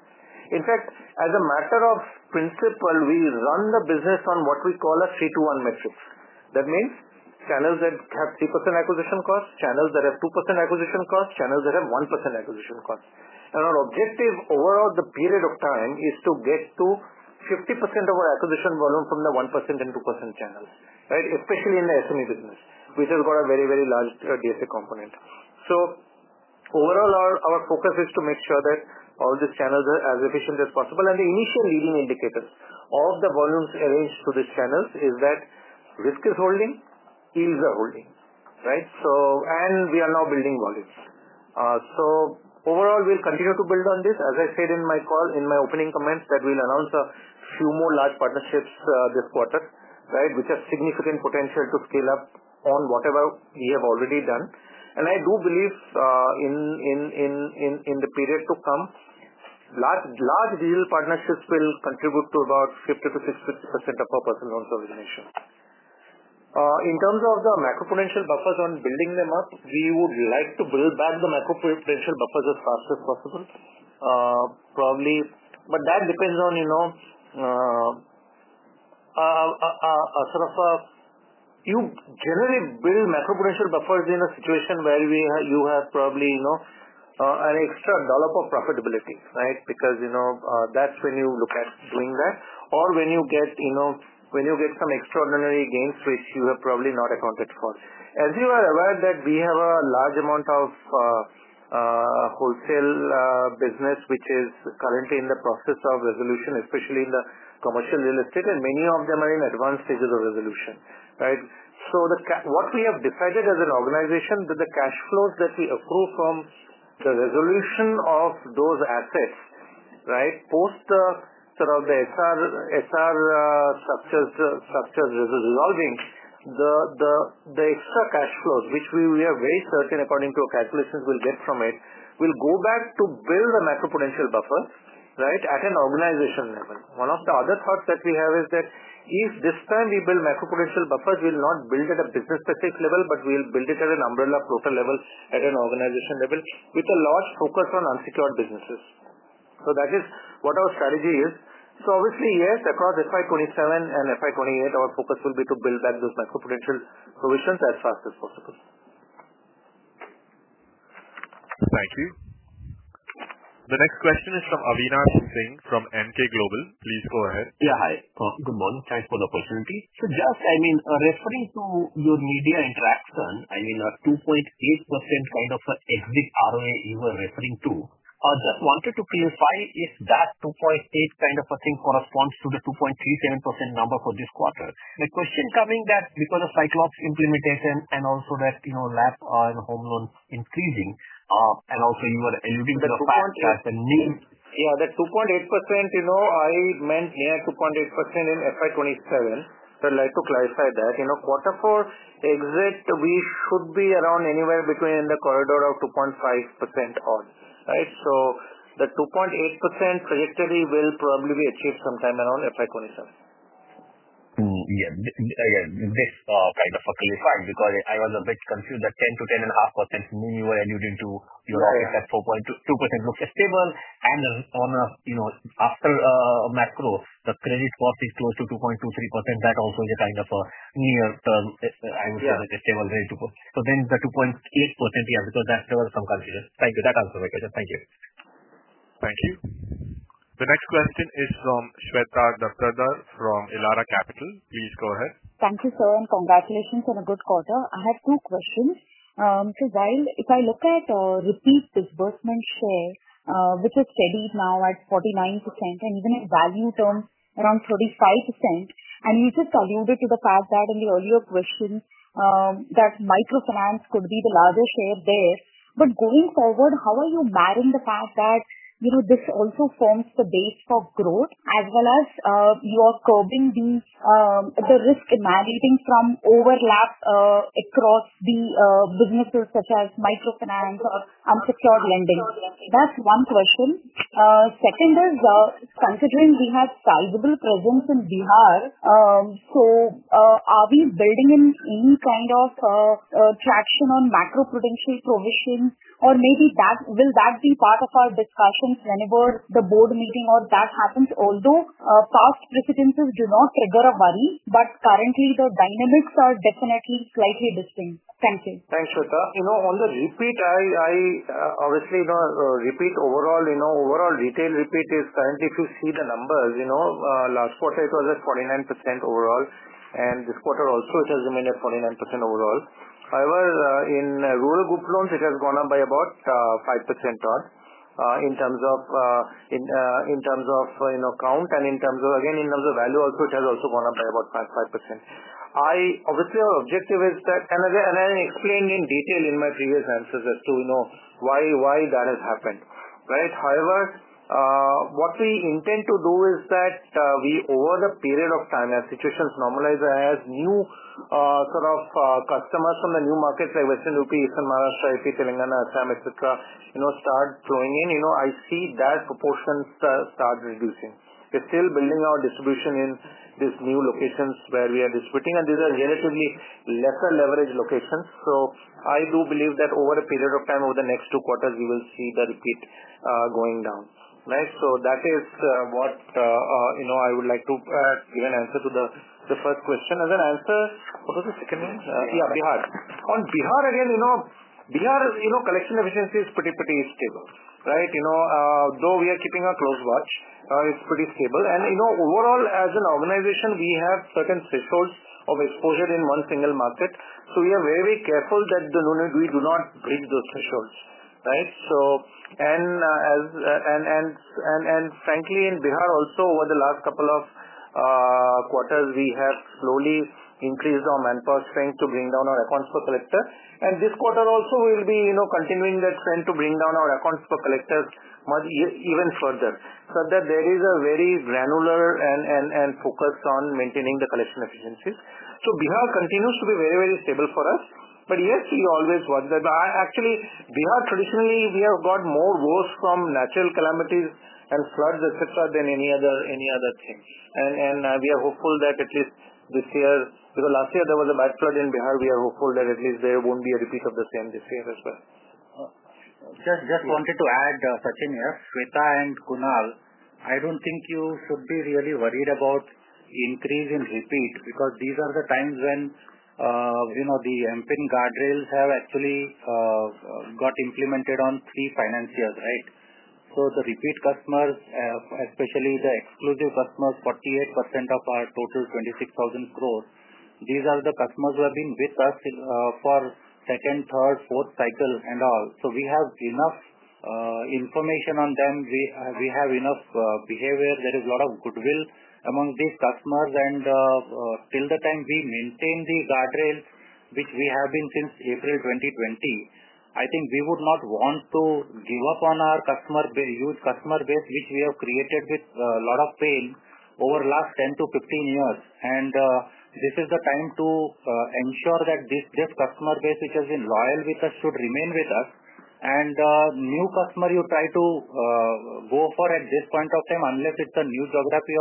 In fact, as a matter of principle, we run the business on what we call a three to one metric. That means channels that have 3% acquisition cost, channels that have 2% acquisition cost, channels that have 1% acquisition cost. And our objective, overall, the period of time is to get to 50% of our acquisition volume from the 12% channels. Right, especially in the SME business, which has got a very, very large DSA component. So overall, our focus is to make sure that all these channels are as efficient as possible. And the initial leading indicators of the volumes arranged to these channels is that risk is holding, yields are holding, right? So and we are now building volumes. So overall, we'll continue to build on this. As I said in my call, in my opening comments that we'll announce a few more large partnerships this quarter, right, which has significant potential to scale up on whatever we have already done. And I do believe in in in in in the period to come, large large deal partnerships will contribute to about 50 to 60% of our personal loan origination. In terms of the macro financial buffers on building them up, we would like to build back the macro financial buffers as fast as possible, probably but that depends on, you know, sort of a you generally build macro potential buffers in a situation where we you have probably, you know, an extra dollar of profitability. Right? Because, you know, that's when you look at doing that or when you get, you know, when you get some extraordinary gains, which you have probably not accounted for. As you are aware that we have a large amount of wholesale business, which is currently in the process of resolution, especially in the commercial real estate, and many of them are in advanced stages of resolution, right? So what we have decided as an organization that the cash flows that we approve from the resolution of those assets, right, post sort of the SR SR structures structures resolving, the the the extra cash flows, which we we are very certain according to calculations we'll get from it, will go back to build a macro potential buffer, right, at an organization level. One of the other thoughts that we have is that, if this time we build macro potential buffers, we'll not build at a business specific level, but we'll build it at an umbrella broker level at an organization level with a large focus on unsecured businesses. So that is what our strategy is. So obviously, yes, across FY 'twenty seven and FY 'twenty eight, our focus will be to build back those micro potential provisions as fast as possible. Thank you. The next question is from Avina Singh from MK Global. Please go ahead. Yeah. Hi. Good morning. Thanks for the opportunity. So just, I mean, referring to your media interaction, I mean, a 2.8% kind of a exit ROA you were referring to. I just wanted to clarify if that 2.8 kind of a thing corresponds to the 2.37% number for this quarter. The question coming that because of Cyclops implementation and also that, you know, lap on home loans increasing, And also, are alluding to the fact that the new Yeah. That 2.8%, you know, I meant here 2.8% in FY twenty seven. So I'd like to clarify that. You know, quarter four exit, we should be around anywhere between the corridor of 2.5% on. Right? So the 2.8% trajectory will probably be achieved sometime around FY twenty seven. Yeah. Yeah. This kind of a clarify because I was a bit confused that 10 to 10 and a half percent, meaning you were alluding to you know, that 4.22% looks stable. And on a, you know, after macro, the credit cost is close to 2.23%. That also is a kind of a near term, I would say, like, stable rate to go. So then the 2.8, yeah, because that there were some concerns. Thank you. That also, Vikram. Thank you. Thank you. The next question is from Shweta Dakhdar from Elara Capital. Please go ahead. Thank you, sir, and congratulations on a good quarter. I have two questions. So while if I look at repeat disbursement share, which is steady now at 49% and even at value term around 35%, and you just alluded to the fact that in the earlier question that microfinance could be the largest share there. But going forward, how are you marrying the fact that, you know, this also forms the base for growth as well as you are curbing the the risk emerging from overlap across the businesses such as microfinance or unsecured lending? That's one question. Second is considering we have sizable presence in Bihar. So are we building in any kind of traction on macro prudential provision? Or maybe that will that be part of our discussions whenever the board meeting or that happens? Although past precedences do not trigger a worry, but currently, the dynamics are definitely slightly distinct. Thank you. Thanks, Shweta. You know, on the repeat, I I obviously, the repeat overall, you know, overall retail repeat is currently, if you see the numbers, you know, last quarter, it was at 49% overall, and this quarter also, it has remained at 49% overall. However, in rural group loans, it has gone up by about 5% on in terms of in terms of, you know, count and in terms of, again, in terms of value also, it has also gone up by about 55%. I, obviously, our objective is that, and as I explained in detail in my previous answers as to, you know, why why that has happened. Right? However, what we intend to do is that we, over the period of time, as situations normalize, as new sort of customers from the new markets like Western rupee, Eastern Maharashtra, IP, Telangana, Assam, etcetera, you know, start flowing in, you know, I see that proportion start reducing. We're still building our distribution in these new locations where we are distributing, and these are relatively lesser leverage locations. So I do believe that over a period of time over the next two quarters, we will see the repeat going down, right? So that is what I would like to give an answer to the first question. As an answer what was the second one? Yeah. Bihar. On Bihar, again, you know, Bihar, you know, collection efficiency is pretty, pretty stable. Right? You know, though we are keeping a close watch, it's pretty stable. And, you know, overall, as an organization, we have certain thresholds of exposure in one single market. So we are very, very careful that the loan is we do not break those thresholds. Right? So and as and and and and, frankly, in Bihar also, over the last couple of quarters, we have slowly increased our manpower strength to bring down our accounts per collector. And this quarter also, we'll be, you know, continuing that trend to bring down our accounts per collectors much even further. So that there is a very granular and and and focus on maintaining the collection efficiencies. So Bihar continues to be very, very stable for us. But, yes, we always want that. But, Bihar, traditionally, we have got more worse from natural calamities and floods, etcetera, than any other any other thing. And and we are hopeful that at least this year because last year, there was a bad flood in Bihar, we are hopeful that at least there won't be a repeat of the same this year as well. Just wanted to add, Sachin, yes, Sweta and Kunal, I don't think you should be really worried about increase in repeat because these are the times when the Ampin guardrails have actually got implemented on three finance years, right? So the repeat customers, especially the exclusive customers, 48% of our total 26000 crores. These are the customers who have been with us for second, third, fourth cycle and all. So we have enough information on them. We have enough behavior. There is a lot of goodwill among these customers. And till the time we maintain the guardrails, which we have been since April 2020, I think we would not want to give up on our base, huge customer base, which we have created with a lot of pain over the last ten to fifteen years. And this is the time to ensure that this customer base, which has been loyal with us, should remain with us. And new customer, you try to go for at this point of time, unless it's a new geography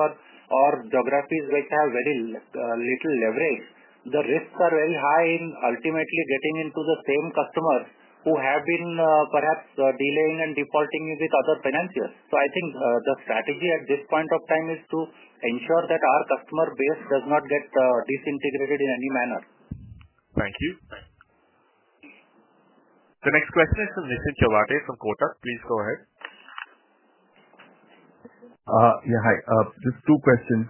or geographies which have very little leverage, the risks are very high in ultimately getting into the same customers who have been perhaps delaying and defaulting you with other financiers. So I think the strategy at this point of time is to ensure that our customer base does not get disintegrated in any manner. Thank you. The next question is from Nishant Chawate from Quota. Please go ahead. Yeah. Hi. Just two questions.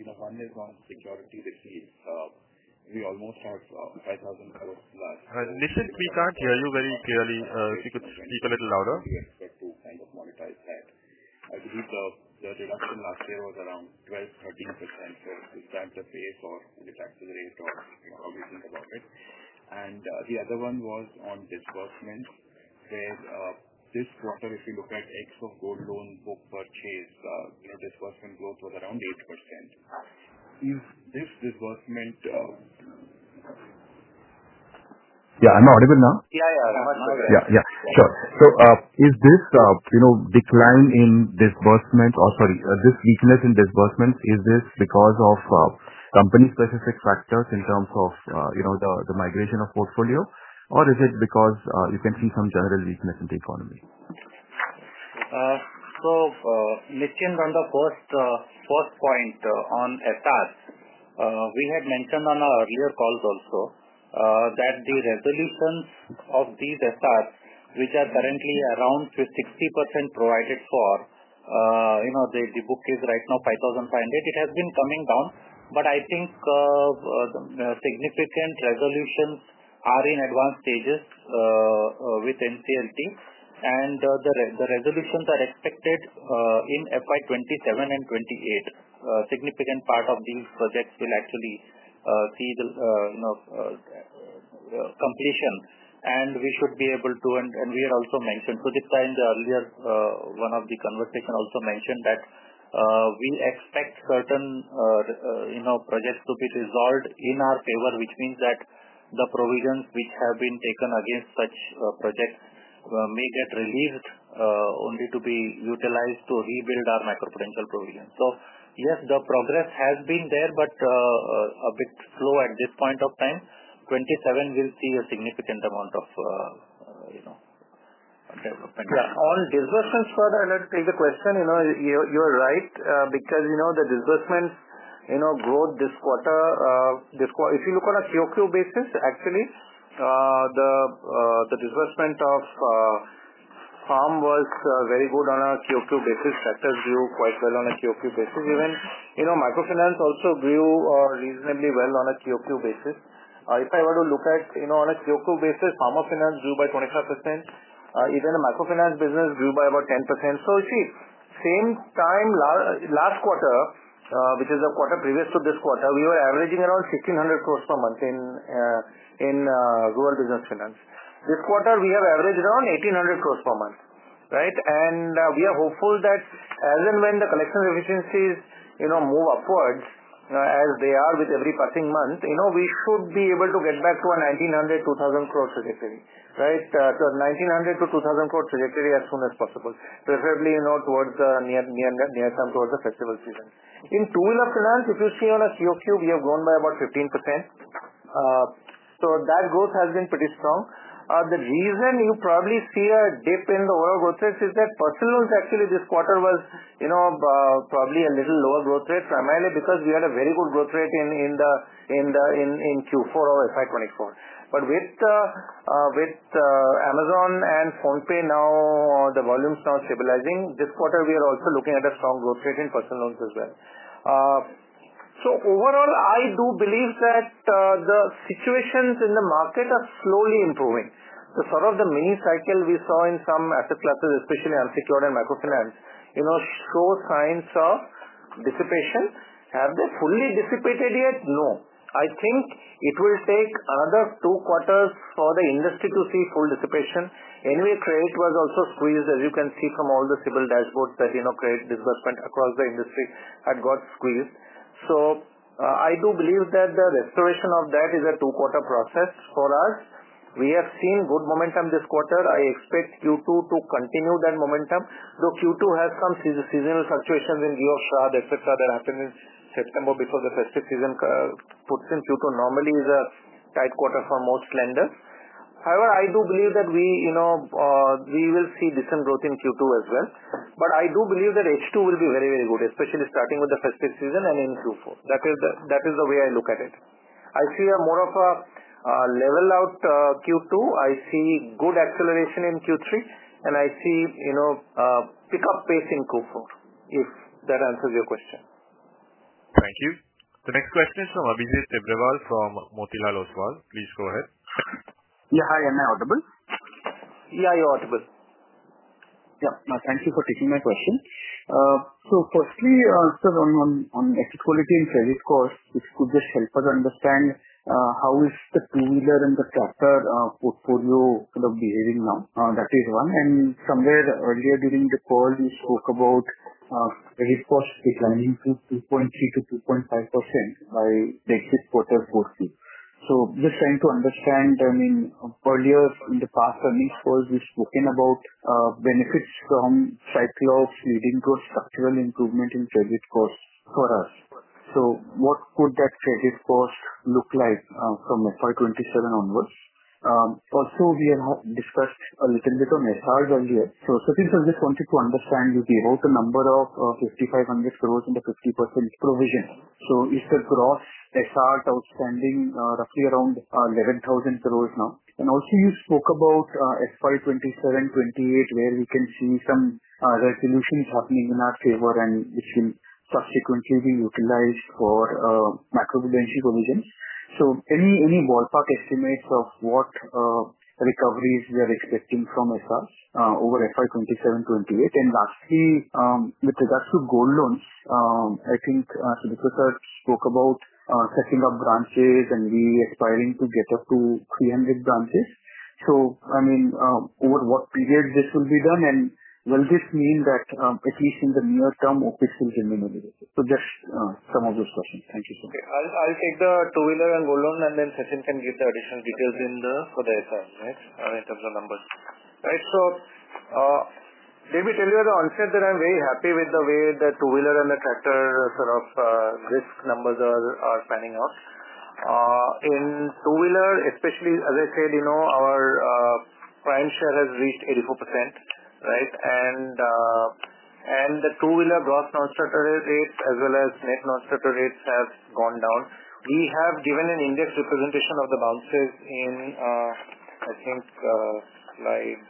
You know, one is on security receipt. We almost have five thousand hours last Listen. We can't hear you very clearly. If you could speak a little louder. We expect to kind of monetize that. I believe the the deduction last year was around 13%. So is that the base or the tax rate or, you know, how how we do think think about about it? It? And the other one was on disbursement where this quarter, if you look at ex of gold loan book purchase, disbursement growth was around 8%. Is this disbursement yeah. Am I audible now? Yeah. Yeah. I'm audible now. Yeah. Yeah. Sure. So is this, you know, decline in disbursement oh, sorry. This weakness in disbursement, is this because of company specific factors in terms of the migration of portfolio? Or is it because you can see some general weakness in the economy? So, Nishanth, on the first point on SRs, we had mentioned on our earlier calls also that the resolutions of these SRs, which are currently around 60% provided for, the book is right now 5,500. It has been coming down. But I think significant resolutions are in advanced stages with NCLT. And the resolutions are expected in FY 'twenty seven and 'twenty eight. Significant part of these projects will actually see the completion, and we should be able to and we had also mentioned, Prudhika in the earlier one of the conversation also mentioned that we expect certain projects to be resolved in our favor, which means that the provisions which have been taken against such projects may get released only to be utilized to rebuild our macroprudential provision. So yes, the progress has been there, but a bit slow at this point of time. 'twenty seven will see a significant amount of development. Yes. On disbursements further, let's take the question. You're right because, you know, the disbursements, you know, growth this quarter this if you look on a q o q basis, actually, the the disbursement of firm was very good on a q o q basis. That has grew quite well on a q o q basis. Even, you know, Microfinance also grew reasonably well on a q o q basis. If I were to look at, you know, on a q o q basis, Pharma Finance grew by 25%. Even the Microfinance business grew by about 10%. So, you see, same time last quarter, which is the quarter previous to this quarter, we were averaging around 1,500 crores per month in in rural business finance. This quarter, we have averaged around 1,800 crores per month. Right? And we are hopeful that as and when the collection efficiencies, you know, move upwards as they are with every passing month, you know, we should be able to get back to a 1,902,000 crores trajectory, Right? So 1,900 to 2,000 crore trajectory as soon as possible, preferably, you know, towards the near near near term towards the festival season. In tool of finance, if you see on a q o q, we have grown by about 15%. So that growth has been pretty strong. The reason you probably see a dip in the overall growth rate is that personal loans actually this quarter was, you know, probably a little lower growth rate, primarily because we had a very good growth rate in in the in the in in q four of f I twenty four. But with with Amazon and PhonePe now, the volumes now stabilizing, this quarter, we are also looking at a strong growth rate in personal loans as well. So overall, I do believe that the situations in the market are slowly improving. So sort of the mini cycle we saw in some asset classes, especially unsecured and microfinance, you know, show signs of dissipation. Have they fully dissipated yet? No. I think it will take another two quarters for the industry to see full dissipation. Anyway, credit was also squeezed, as you can see from all the civil dashboards that, you know, credit disbursement across the industry had got squeezed. So I do believe that the restoration of that is a two quarter process for us. We have seen good momentum this quarter. I expect Q2 to continue that momentum. Though Q2 has some seasonal fluctuations in the offshore, etcetera, that happened in September before the festive season puts in Q2 normally is a tight quarter for most lenders. However, I do believe that we will see decent growth in Q2 as well. But I do believe that H2 will be very, very good, especially starting with the festive season and in Q4. That is the that is the way I look at it. I see a more of a level out Q2. I see good acceleration in Q3, and I see, you know, pickup pace in Q4, if that answers your question. Thank you. The next question is from Abhijit Debrawal from Motilal Oswal. Please go ahead. Yeah. Hi. Am I audible? Yeah. You're audible. Yeah. Now, thank you for taking my question. So firstly, sir, on on on equity and credit cost, if you could just help us understand how is the two wheeler and the tractor portfolio kind of behaving now. That is one. And somewhere earlier during the call, you spoke about credit cost declining to 2.3 to 2.5% by the exit quarter four q. So, just trying to understand, I mean, earlier in the past earnings calls, we've spoken about benefits from Cyclops leading to structural improvement in credit cost for us. So what could that credit cost look like from FY twenty seven onwards? Also, we have discussed a little bit on SR earlier. So, sir, since I just wanted to understand you gave out the number of 5,500 crores in the 50% provision. So, you said gross SR outstanding roughly around 11,000 crores now. And also, spoke about FY 2728, where we can see some resolutions happening in our favor and which will subsequently be utilized for macro conditions. So, any any ballpark estimates of what recoveries we are expecting from SSR over FY 2728? And lastly, with regards to gold loans, I think, as you discussed, spoke about setting up branches and we expiring to get up to 300 branches. So, I mean, over what period this will be done and will this mean that at least in the near term OpEx will be eliminated? So just some of those questions. Thank you, sir. Okay. I'll I'll take the two wheeler and go along and then Sachin can give the additional details in the, for the SR, right, in terms of numbers. Right? So let me tell you the onset that I'm very happy with the way that two wheeler and the tractor sort of risk numbers are are panning out. In two wheeler, especially, as I said, you know, our prime share has reached 84%, right? And the two wheeler gross nonstructure rates as well as net nonstructure rates have gone down. We have given an index representation of the bounces in, I think, slide,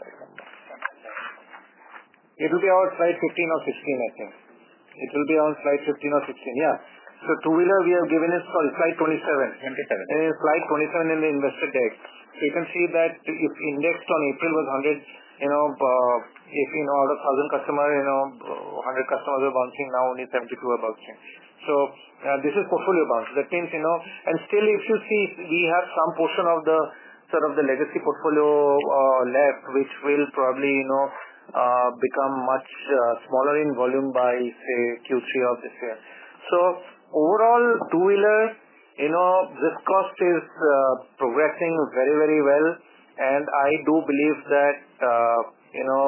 it will be on slide 15 or 16, I think. It will be on slide 15 or 16, yes. So two wheeler, we have given it, sorry, slide 27. 27. Slide 27 in the Investor Day. You can see that if indexed on April was 100, you know, 18 or the thousand customer, you know, 100 customers are bouncing, now only 72 are bouncing. So, this is portfolio bounce, that means, you know, and still, if you see, we have some portion of the, sort of the legacy portfolio left, which will probably, you know, become much smaller in volume by, say, q three of this year. So overall, two wheeler, you know, this cost is progressing very, very well. And I do believe that, you know,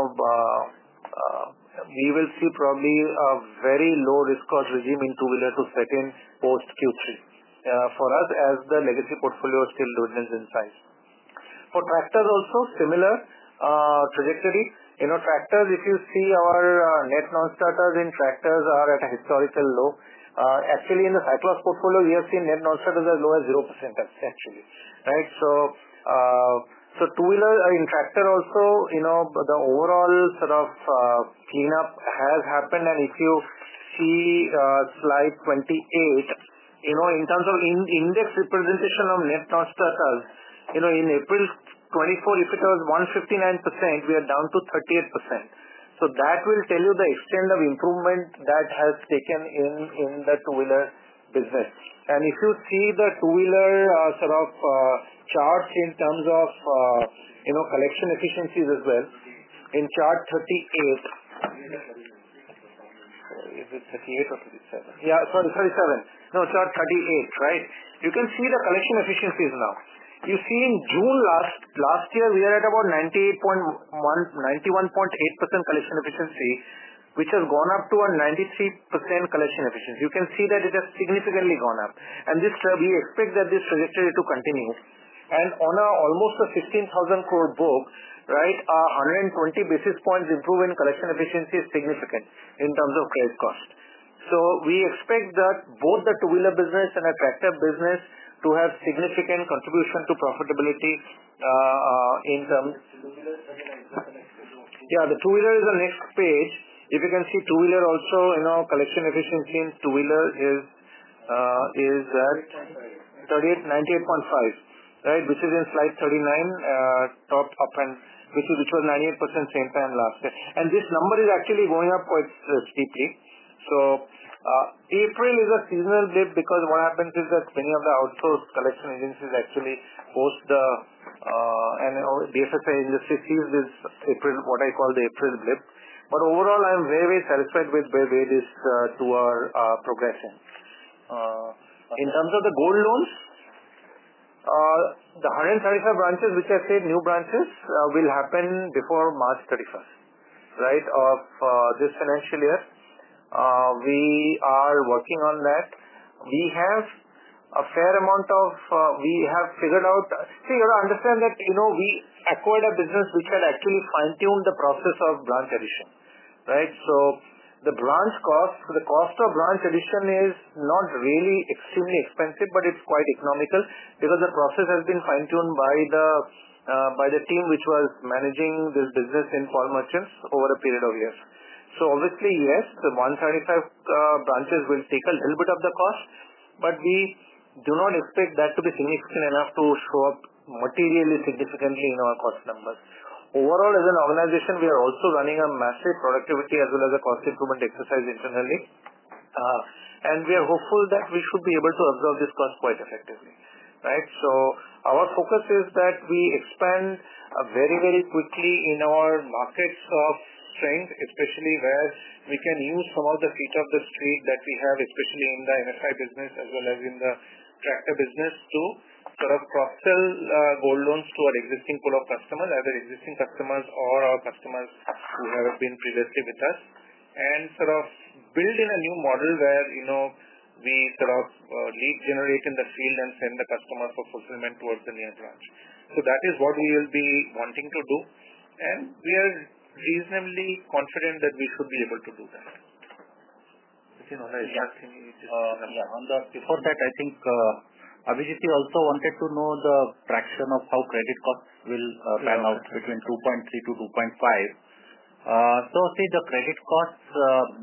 we will see probably a very low risk cost regime in two wheeler to set in post Q3 for us as the legacy portfolio is still doing this in size. For tractors also, similar trajectory. You know, tractors, if you see our net nonstarters in tractors are at a historical low. Actually, in the Cyclops portfolio, we have seen net nonstarters as low as 0%, actually. Right? So so tooler or in tractor also, you know, the overall sort of cleanup has happened. And if you see slide 28, you know, in terms of in index representation of net loss status, in April 24, if it was 159%, we are down to 38%. So that will tell you the extent of improvement that has taken in the two wheeler business. And if you see the two wheeler sort of charts in terms of, you know, collection efficiencies as well, in chart 38, is it 38 or 37? Yeah. Sorry. 37. No. Chart 38. Right? You can see the collection efficiencies now. You see in June, we are at about 98.1910.8% collection efficiency, which has gone up to a 93% collection efficiency. You can see that it has significantly gone up. And this we expect that this trajectory to continue. And on a almost a 15,000 crore book, right, a 120 basis points improvement collection efficiency is significant in terms of credit cost. So we expect that both the two wheeler business and our tractor business to have significant contribution to profitability in terms Yes, the two wheeler is the next page. If you can see two wheeler also, you know, collection efficiency in two wheeler is at 38. 38, 98.5, right, which is in slide 39, top up and which is which was 98% same time last year. And this number is actually going up quite steeply. So April is a seasonal dip because what happens is that many of the outsourced collection agencies actually post the and the FSA industry sees this April what I call the April dip. But overall, I'm very, satisfied with where where this two are progressing. In terms of the gold loans, the 135 branches, which I said, new branches, will happen before March 31, right, of this financial year. We are working on that. We have a fair amount of we have figured out see, you know, understand that, you know, we acquired a business which had actually fine tuned the process of branch addition. Right? So the branch cost, the cost of branch addition is not really extremely expensive, but it's quite economical because the process has been fine tuned by the by the team which was managing this business in for merchants over a period of years. So obviously, yes, the 135 branches will take a little bit of the cost, but we do not expect that to be significant enough to show up materially significantly in our cost numbers. Overall, as an organization, we are also running a massive productivity as well as a cost improvement exercise internally. And we are hopeful that we should be able to absorb this cost quite effectively. Right? So our focus is that we expand very, very quickly in our markets of strength, especially where we can use some of the feet of the street that we have, especially in the MSI business as well as in the tractor business to sort of cross sell gold loans to our existing pool of customers, either existing customers or our customers who have been previously with us and sort of build in a new model where we sort of lead generate in the field and send the customer for fulfillment towards the near tranche. So that is what we will be wanting to do. And we are reasonably confident that we should be able to do that. Before that, I think, Abhijit also wanted to know the fraction of how credit costs will pan out between 2.3 to 2.5. So see, the credit costs,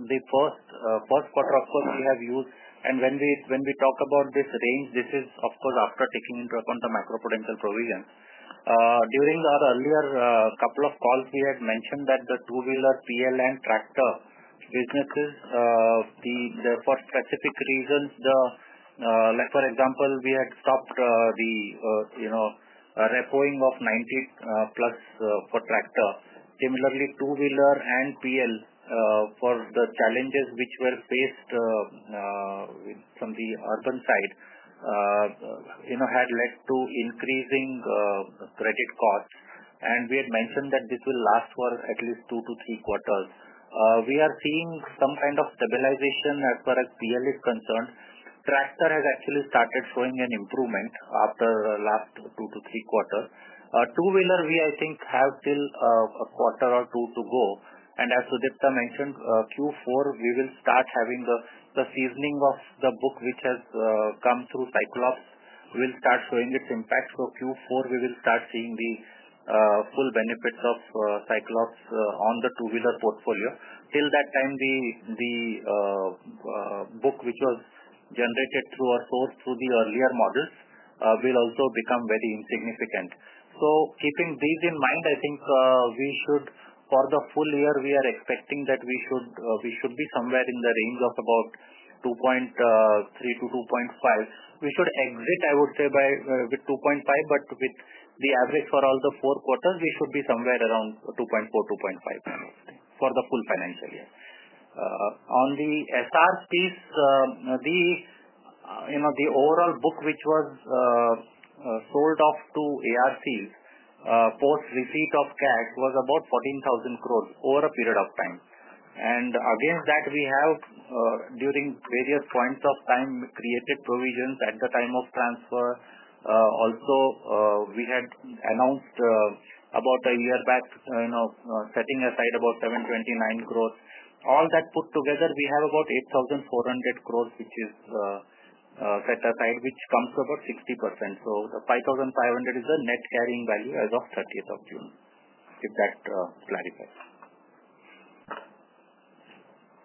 the first quarter, of course, we have used. And when we talk about this range, this is, of course, after taking into account the macro prudential provision. During our earlier couple of calls, we had mentioned that the two wheeler PL and tractor businesses, for specific reasons, the like, for example, we had stopped the repo ing of 90 plus for tractor. Similarly, two wheeler and PL for the challenges which were faced from the urban side had led to increasing credit costs. And we had mentioned that this will last for at least two to three quarters. We are seeing some kind of stabilization as far as PL is concerned. Tractor has actually started showing an improvement after last two to three quarters. Two wheeler, we, I think, have still a quarter or two to go. And as Sudipta mentioned, Q4, we will start having the seasoning of the book, which has come through Cyclops, will start showing its impact. So Q4, we will start seeing the full benefits of Cyclops on the two wheeler portfolio. Till that time, the book which was generated through our source through the earlier models will also become very insignificant. So keeping these in mind, I think we should for the full year, we are expecting that we should be somewhere in the range of about 2.3 to 2.5. We should exit, I would say, by with 2.5, but with the average for all the four quarters, we should be somewhere around 2.4, 2.5 for the full financial year. On the SRCs, the overall book which was sold off to ARCs post receipt of cash was about 14,000 crores over a period of time. And against that, we have, during various points of time, created provisions at the time of transfer. Also, we had announced about a year back, setting aside about INR $7.29 crores. All that put together, we have about 8,400 crores, which is set aside, which comes about 60%. So the 5,500 crores is the net carrying value as of June 30, if that clarifies.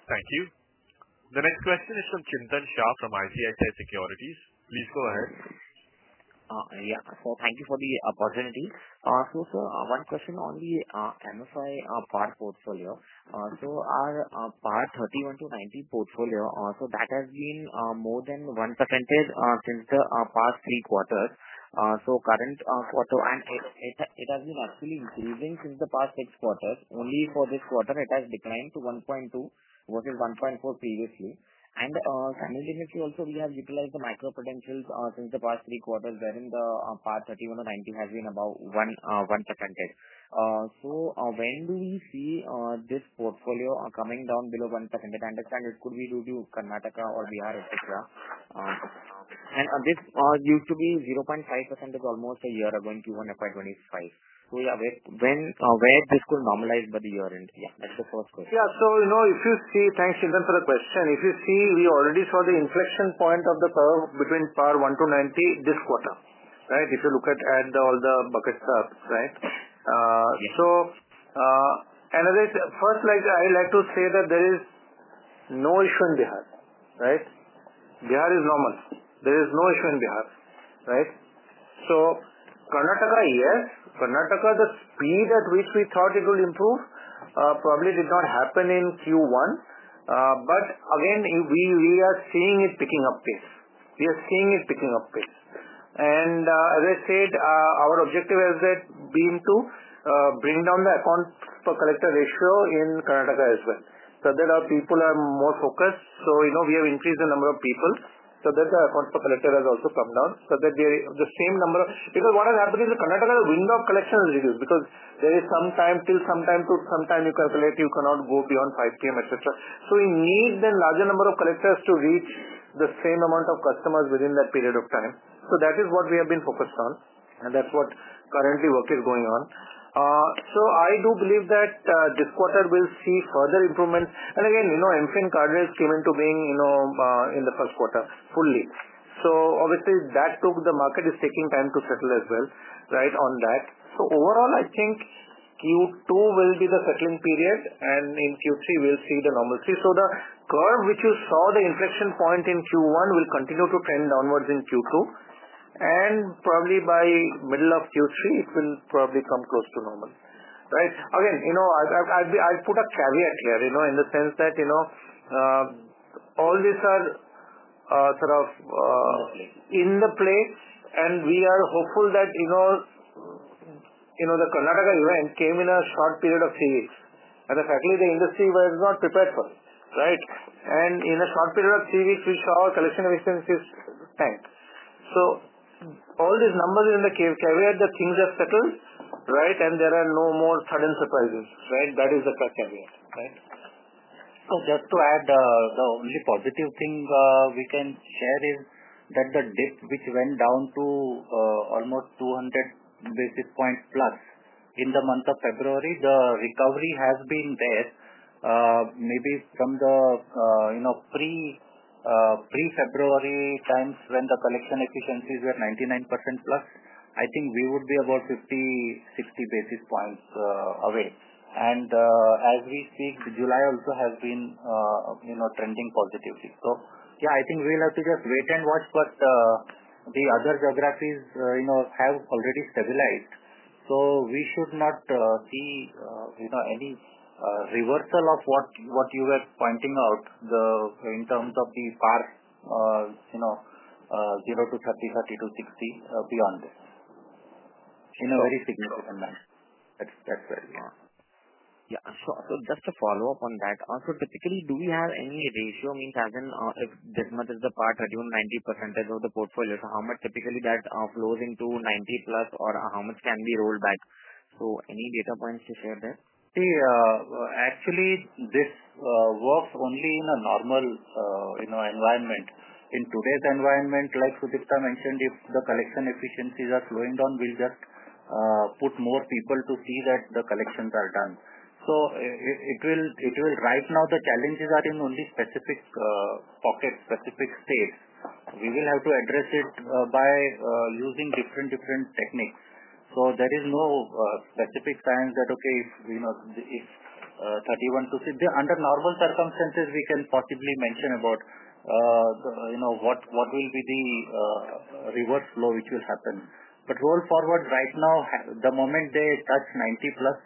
Thank you. The next question is from Chintan Shah from ICHN Securities. Please go ahead. Yeah. So thank you for the opportunity. So sir, one question on the MSI part portfolio. So our part 31 to 90 portfolio, so that has been more than one percentage since the past three quarters. So current quarter and it it it has been actually increasing since the past six quarters. Only for this quarter, it has declined to 1.2 versus 1.4 previously. And simultaneously also, we have utilized the micro credentials since the past three quarters wherein the part 31 or 90 has been about one one percentage. So when do we see this portfolio coming down below one percentage? I understand it could be due to Karnataka or Vihar, etcetera. And this used to be 0.5% is almost a year ago in Q1 FY twenty five. So, yeah, when when this could normalize by the year end? Yeah. That's the first question. Yeah. So, you know, if you see thanks, Shantan, for the question. If you see, we already saw the inflection point of the curve between power one to 90 this quarter. Right? If you look at at all the buckets up. Right? Yes. So, and I just first, like, I like to say that there is no issue in Bihar. Right? Bihar is normal. There is no issue in Bihar. Right? So Karnataka, yes. Karnataka, the speed at which we thought it will improve probably did not happen in q one. But, again, we we are seeing it picking up pace. We are seeing it picking up pace. And as I said, our objective has been to bring down the account per collector ratio in Karnataka as well. So there are people who are more focused. So, you know, we have increased the number of people, so that the account for collector has also come down. So that the the same number of because what has happened is the Karnataka window collection has reduced because there is some time till sometime to sometime you calculate, you cannot go beyond 5PM, etcetera. So we need the larger number of collectors to reach the same amount of customers within that period of time. So that is what we have been focused on, and that's what currently work is going on. So I do believe that this quarter, we'll see further improvement. And again, you know, Infin card rates came into being, you know, in the first quarter fully. So obviously, that took the market is taking time to settle as well, right, on that. So overall, I think q two will be the settling period, and in q three, we'll see the normalcy. So the curve which you saw the inflection point in q one will continue to trend downwards in q two. And probably by middle of q three, it will probably come close to normal. Right? Again, you know, I'll I'll I'll be I'll put a caveat here, you know, in the sense that, you know, all these are sort of in the place, and we are hopeful that, you know, you know, the event came in a short period of three weeks. And, frankly, the industry was not prepared for. Right? And in a short period of three weeks, we saw our collection of expenses tanked. So all these numbers in the cave cave, the things are settled. Right? And there are no more sudden surprises. Right? That is the first caveat. Right? So just to add, only positive thing we can share is that the debt, which went down to almost 200 basis points plus in the month of February, the recovery has been there. Maybe from the, you know, pre pre February times when the collection efficiencies were 99% plus, I think we would be about fifty, sixty basis points away. And as we speak, July also has been trending positively. So yes, I think we'll have to just wait and watch what the other geographies have already stabilized. So we should not see any reversal of what what you were pointing out, the in terms of the past, you know, zero to thirty, thirty to 60 beyond this in a very significant manner. That's that's right. Yeah. So so just to follow-up on that. So, typically, do we have any ratio? I as in this month is the part that you own 90 percentage of the portfolio, so how much typically that flows into 90 plus or how much can be rolled back? So any data points to share that? See, actually, this works only in a normal, you know, environment. In today's environment, like Sudipta mentioned, if the collection efficiencies are slowing down, we'll just put more people to see that the collections are done. So it will it will right now, the challenges are in only specific pocket, specific states. We will have to address it by using different different techniques. So there is no specific time that, okay, if, you know, if 31 to 50 under normal circumstances, we can possibly mention about, you know, what what will be the reverse flow which will happen. But roll forward, right now, the moment they touch 90 plus,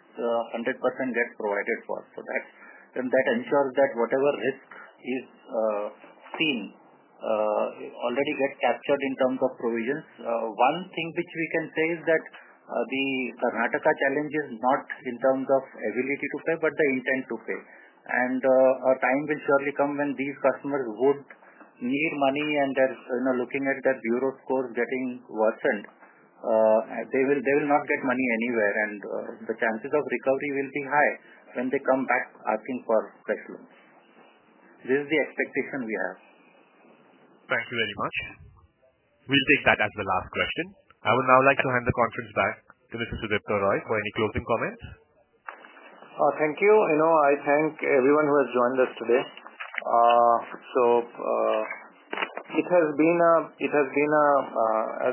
100% gets provided for. So that and that ensures that whatever is is seen already get captured in terms of provisions. One thing which we can say is that Karnataka challenge is not in terms of ability to pay, but the intent to pay. And a time will surely come when these customers would need money and they're looking at their bureau scores getting worsened. They will not get money anywhere. And the chances of recovery will be high when they come back asking for cash loans. This is the expectation we have. Thank you very much. We'll take that as the last question. I would now like to hand the conference back to Mr. Sudip Kar Roy for any closing comments. Thank you. You know, I thank everyone who has joined us today. So it has been a it has been a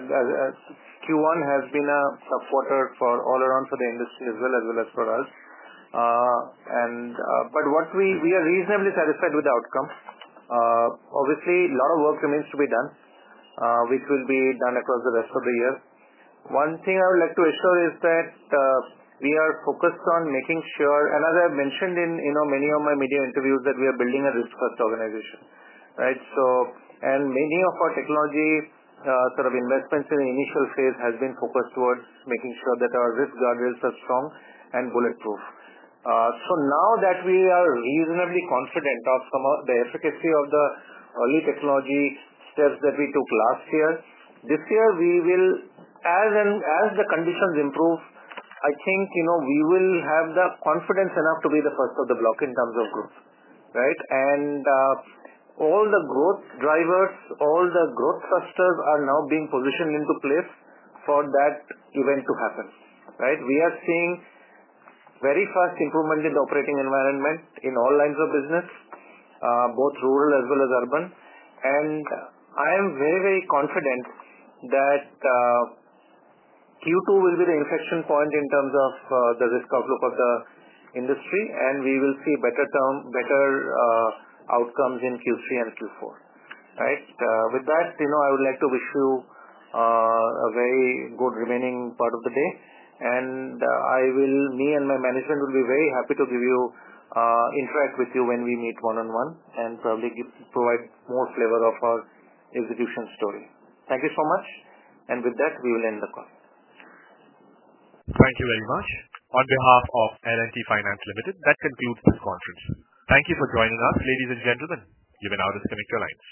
q one has been a supporter for all around for the industry as well as well as for us. And but what we we are reasonably satisfied with the outcome. Obviously, a lot of work remains to be done, which will be done across the rest of the year. One thing I would like to assure is that we are focused on making sure and as I've mentioned in, you know, many of my media interviews that we are building a risk first organization. Right? So and many of our technology sort of investments in the initial phase has been focused towards making sure that our risk guardrails are strong and bulletproof. So now that we are reasonably confident of some of the efficacy of the early technology steps that we took last year. This year, we will as and as the conditions improve, I think, you know, we will have the confidence enough to be the first of the block in terms of growth, right? And all the growth drivers, all the growth clusters are now being positioned into place for that event to happen, right? We are seeing very fast improvement in the operating environment in all lines of business, both rural as well as urban. And I am very, very confident that Q2 will be the inflection point in terms of the risk outlook of the industry, and we will see better outcomes in Q3 and Q4. Right? With that, I would like to wish you a very good remaining part of the day. And will, me and my management will be very happy to give you, interact with you when we meet one on one, and probably give provide more flavor of our execution story. Thank you so much. And with that, we will end the call. Thank you very much. On behalf of L and T Finance Limited, that concludes this conference. Thank you for joining us. Ladies and gentlemen, you may now disconnect your lines.